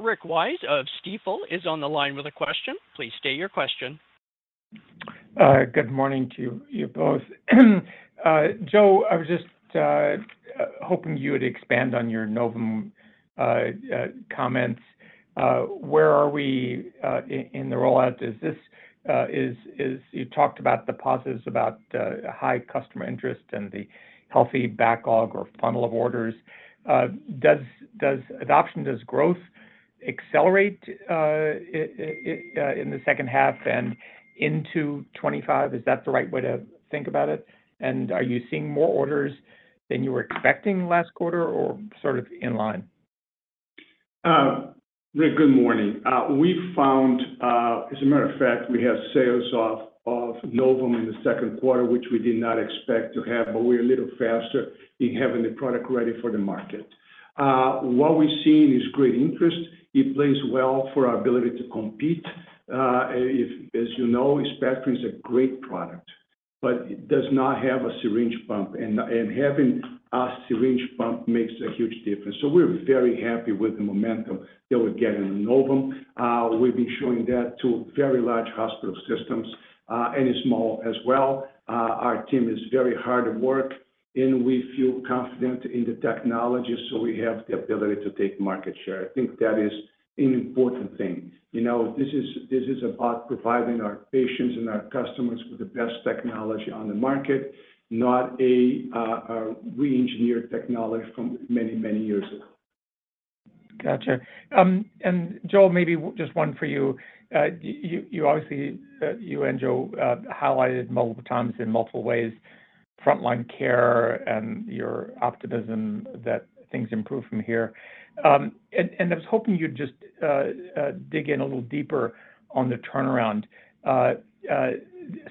Rick Wise of Stifel is on the line with a question. Please state your question. Good morning to you both. Joe, I was just hoping you would expand on your Novum comments. Where are we in the rollout? Is this... You talked about the positives, about high customer interest and the healthy backlog or funnel of orders. Does adoption, does growth accelerate in the second half and into 25? Is that the right way to think about it? Are you seeing more orders than you were expecting last quarter, or sort of in line? Rick, good morning. We found, as a matter of fact, we have sales off of Novum in the second quarter, which we did not expect to have, but we're a little faster in having the product ready for the market. What we've seen is great interest. It plays well for our ability to compete. As you know, Spectrum is a great product, but it does not have a syringe pump, and, and having a syringe pump makes a huge difference. So we're very happy with the momentum that we're getting in Novum. We've been showing that to very large hospital systems, and small as well. Our team is very hard at work, and we feel confident in the technology, so we have the ability to take market share. I think that is an important thing. You know, this is, this is about providing our patients and our customers with the best technology on the market, not a, a re-engineered technology from many, many years ago. Gotcha. And Joel, maybe just one for you. You obviously, you and Joe, highlighted multiple times in multiple ways, Front Line Care and your optimism that things improve from here. And I was hoping you'd just dig in a little deeper on the turnaround.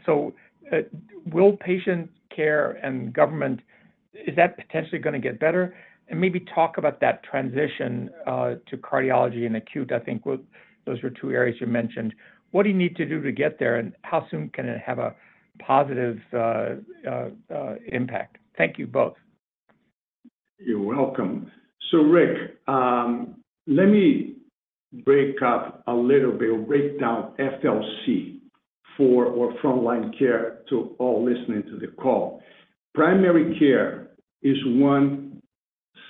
So, will patient care and government, is that potentially gonna get better? And maybe talk about that transition to cardiology and acute. I think those were two areas you mentioned. What do you need to do to get there, and how soon can it have a positive impact? Thank you both. You're welcome. So Rick, let me break down FLC for our Front Line Care to all listening to the call. Primary Care is one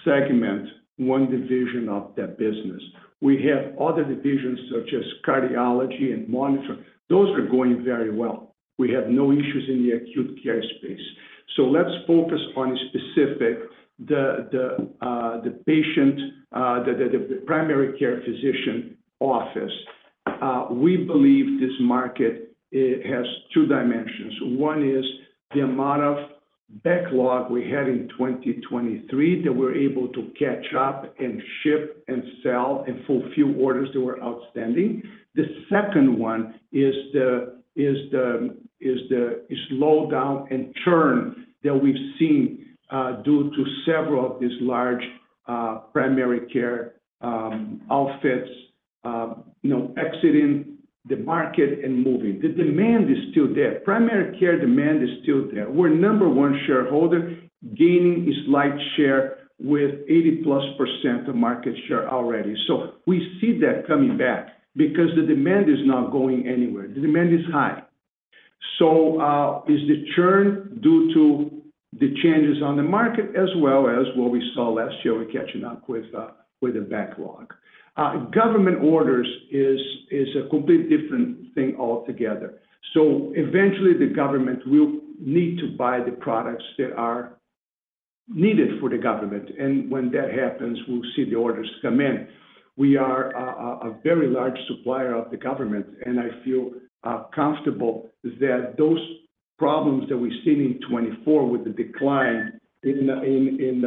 segment, one division of that business. We have other divisions, such as cardiology and monitoring. Those are going very well. We have no issues in the acute care space. So let's focus on the Primary Care physician office. We believe this market, it has two dimensions. One is the amount of backlog we had in 2023, that we're able to catch up and ship and sell, and fulfill orders that were outstanding. The second one is the slowdown in churn that we've seen due to several of these large Primary Care outfits, you know, exiting the market and moving. The demand is still there. Primary Care demand is still there. We're number one shareholder, gaining a slight share with 80%+ of market share already. So we see that coming back because the demand is not going anywhere. The demand is high. So, is the churn due to the changes on the market as well as what we saw last year with catching up with, with the backlog? Government orders is a completely different thing altogether. So eventually, the government will need to buy the products that are needed for the government, and when that happens, we'll see the orders come in. We are a very large supplier of the government, and I feel comfortable that those problems that we've seen in 2024 with the decline in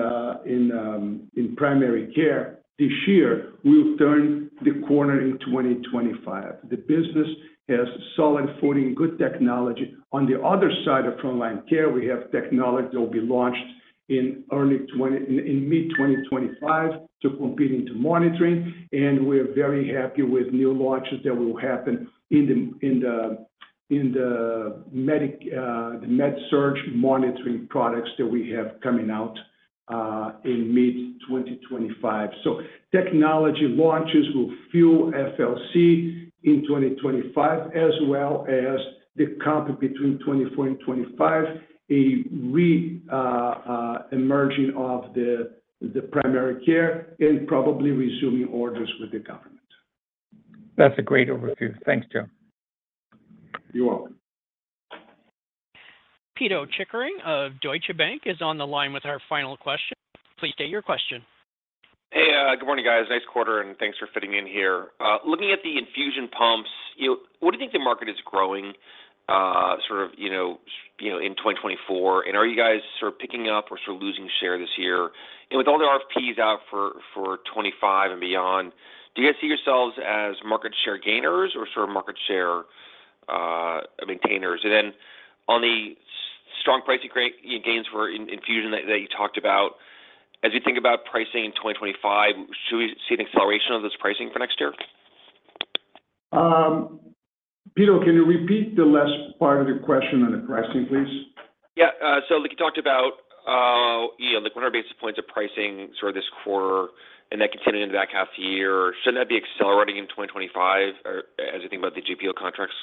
Primary Care this year, we'll turn the corner in 2025. The business has solid footing, good technology. On the other side of Front Line Care, we have technology that will be launched in mid-2025 to compete into monitoring, and we're very happy with new launches that will happen in the MedSurg monitoring products that we have coming out in mid-2025. So technology launches will fuel FLC in 2025, as well as the count between 2024 and 2025, a reemerging of the Primary Care and probably resuming orders with the government. That's a great overview. Thanks, Joe. You're welcome. Pito Chickering of Deutsche Bank is on the line with our final question. Please state your question. Hey, good morning, guys. Nice quarter, and thanks for fitting in here. Looking at the infusion pumps, you know, what do you think the market is growing, sort of, you know, you know, in 2024? And are you guys sort of picking up or sort of losing share this year? And with all the RFPs out for 2025 and beyond, do you guys see yourselves as market share gainers or sort of market share maintainers? And then on the strong pricing gains for infusion that you talked about, as you think about pricing in 2025, should we see an acceleration of this pricing for next year?... Peter, can you repeat the last part of the question on the pricing, please? Yeah, so like you talked about, you know, like 100 basis points of pricing sort of this quarter, and that continued into the back half of the year. Shouldn't that be accelerating in 2025, or as you think about the GPO contracts?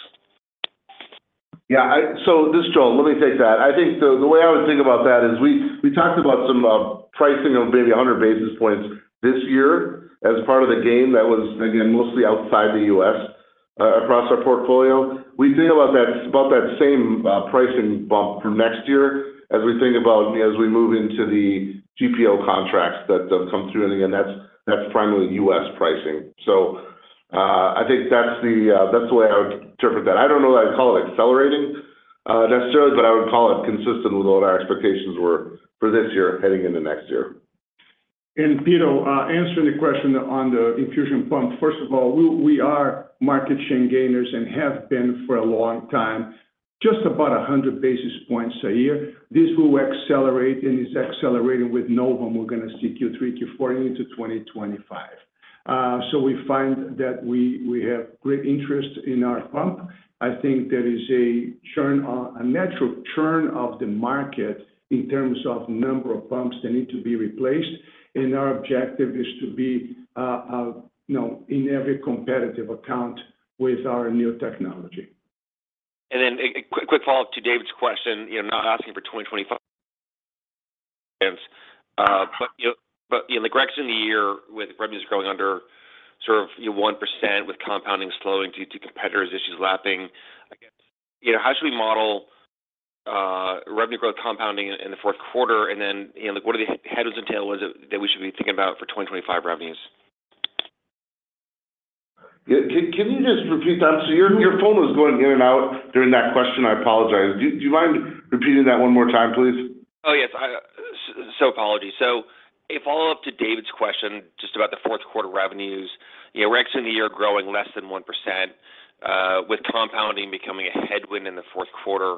Yeah, so this is Joel, let me take that. I think the way I would think about that is we talked about some pricing of maybe 100 basis points this year as part of the gain that was, again, mostly outside the U.S., across our portfolio. We think about that same pricing bump for next year as we think about, you know, as we move into the GPO contracts that come through. And again, that's primarily U.S. pricing. So, I think that's the way I would interpret that. I don't know that I'd call it accelerating, necessarily, but I would call it consistent with what our expectations were for this year heading into next year. Peter, answering the question on the infusion pump. First of all, we are market share gainers and have been for a long time, just about 100 basis points a year. This will accelerate, and is accelerating with Novum, and we're going to see Q3, Q4 into 2025. So we find that we have great interest in our pump. I think there is a churn, a natural churn of the market in terms of number of pumps that need to be replaced, and our objective is to be, you know, in every competitive account with our new technology. Then a quick follow-up to David's question, you know, not asking for 2025. But, you know, but, you know, like, rest of the year with revenues growing under sort of, you know, 1%, with compounding slowing due to competitors' issues lapping. I guess, you know, how should we model revenue growth compounding in the fourth quarter? And then, you know, like, what are the headwinds and tailwinds that we should be thinking about for 2025 revenues? Yeah. Can you just repeat that? So your phone was going in and out during that question, I apologize. Do you mind repeating that one more time, please? Apologies. A follow-up to David's question, just about the fourth quarter revenues. You know, we're exiting the year growing less than 1%, with compounding becoming a headwind in the fourth quarter.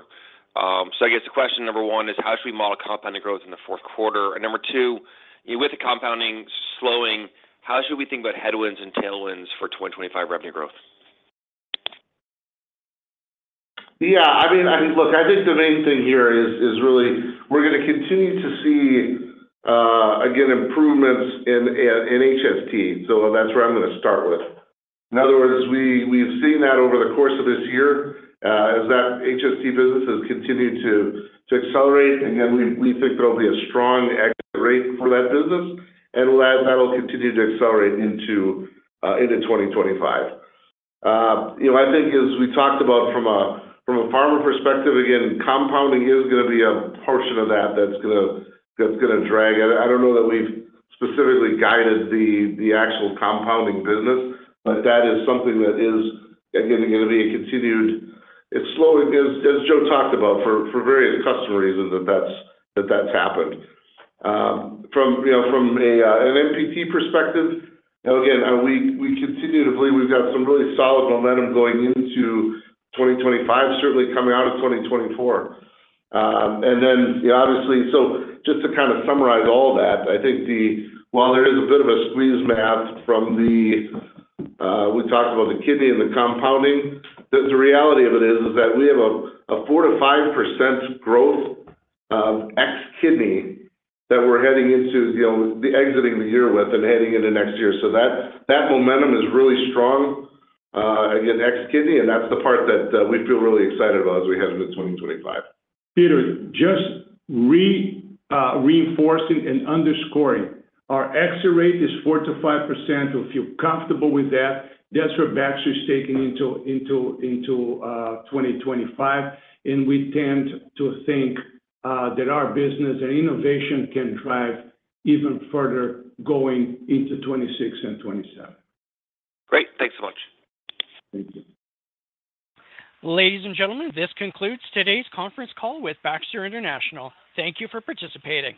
So I guess the question, number one, is how should we model compounding growth in the fourth quarter? And number two, with the compounding slowing, how should we think about headwinds and tailwinds for 2025 revenue growth? Yeah, I mean, look, I think the main thing here is really we're going to continue to see, again, improvements in HST, so that's where I'm going to start with. In other words, we've seen that over the course of this year, as that HST business has continued to accelerate, and then we think there will be a strong FX rate for that business, and that will continue to accelerate into 2025. You know, I think as we talked about from a Pharma perspective, again, compounding is going to be a portion of that that's gonna, that's gonna drag. I don't know that we've specifically guided the actual compounding business, but that is something that is, again, going to be a continued... It's slowing, as Joe talked about, for various custom reasons, that's happened. From, you know, from an MPT perspective, again, we continue to believe we've got some really solid momentum going into 2025, certainly coming out of 2024. And then, yeah, obviously, so just to kind of summarize all that, I think the... While there is a bit of a squeeze math from the, we talked about the Kidney and the compounding, the reality of it is that we have a 4%-5% growth, ex Kidney, that we're heading into, you know, the exiting the year with and heading into next year. So that momentum is really strong, again, ex Kidney, and that's the part that we feel really excited about as we head into 2025. Peter, just reinforcing and underscoring, our exit rate is 4%-5%. We feel comfortable with that. That's where Baxter's taking into 2025, and we tend to think that our business and innovation can drive even further going into 2026 and 2027. Great. Thanks so much. Thank you. Ladies and gentlemen, this concludes today's conference call with Baxter International. Thank you for participating.